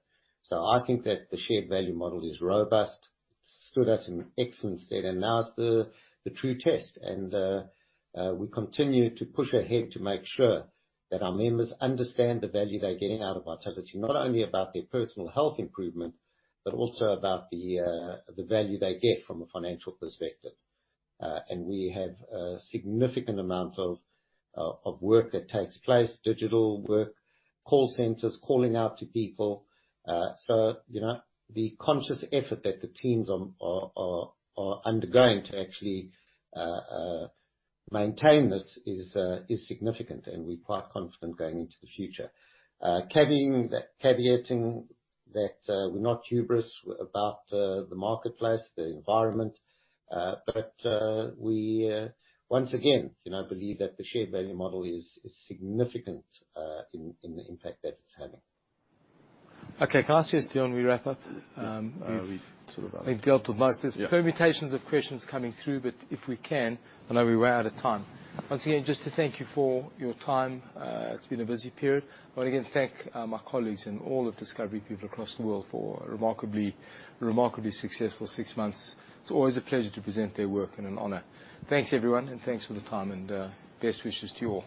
I think that the shared value model is robust. Stood us in excellent stead, and now is the true test. We continue to push ahead to make sure that our members understand the value they're getting out of Vitality, not only about their personal health improvement, but also about the value they get from a financial perspective. We have a significant amount of work that takes place, digital work, call centers calling out to people. The conscious effort that the teams are undergoing to actually maintain this is significant, and we're quite confident going into the future. Caveating that, caveating that, we're not hubris about the marketplace, the environment. We, once again, you know, believe that the shared value model is significant, in the impact that it's having. Okay. Can I ask you this, Dion, we wrap up? Yes. We've dealt with most. There's permutations of questions coming through. If we can, I know we were out of time. Once again, just to thank you for your time. It's been a busy period. I wanna again thank my colleagues and all the Discovery people across the world for a remarkably successful six months. It's always a pleasure to present their work and an honor. Thanks, everyone, and thanks for the time and best wishes to you all.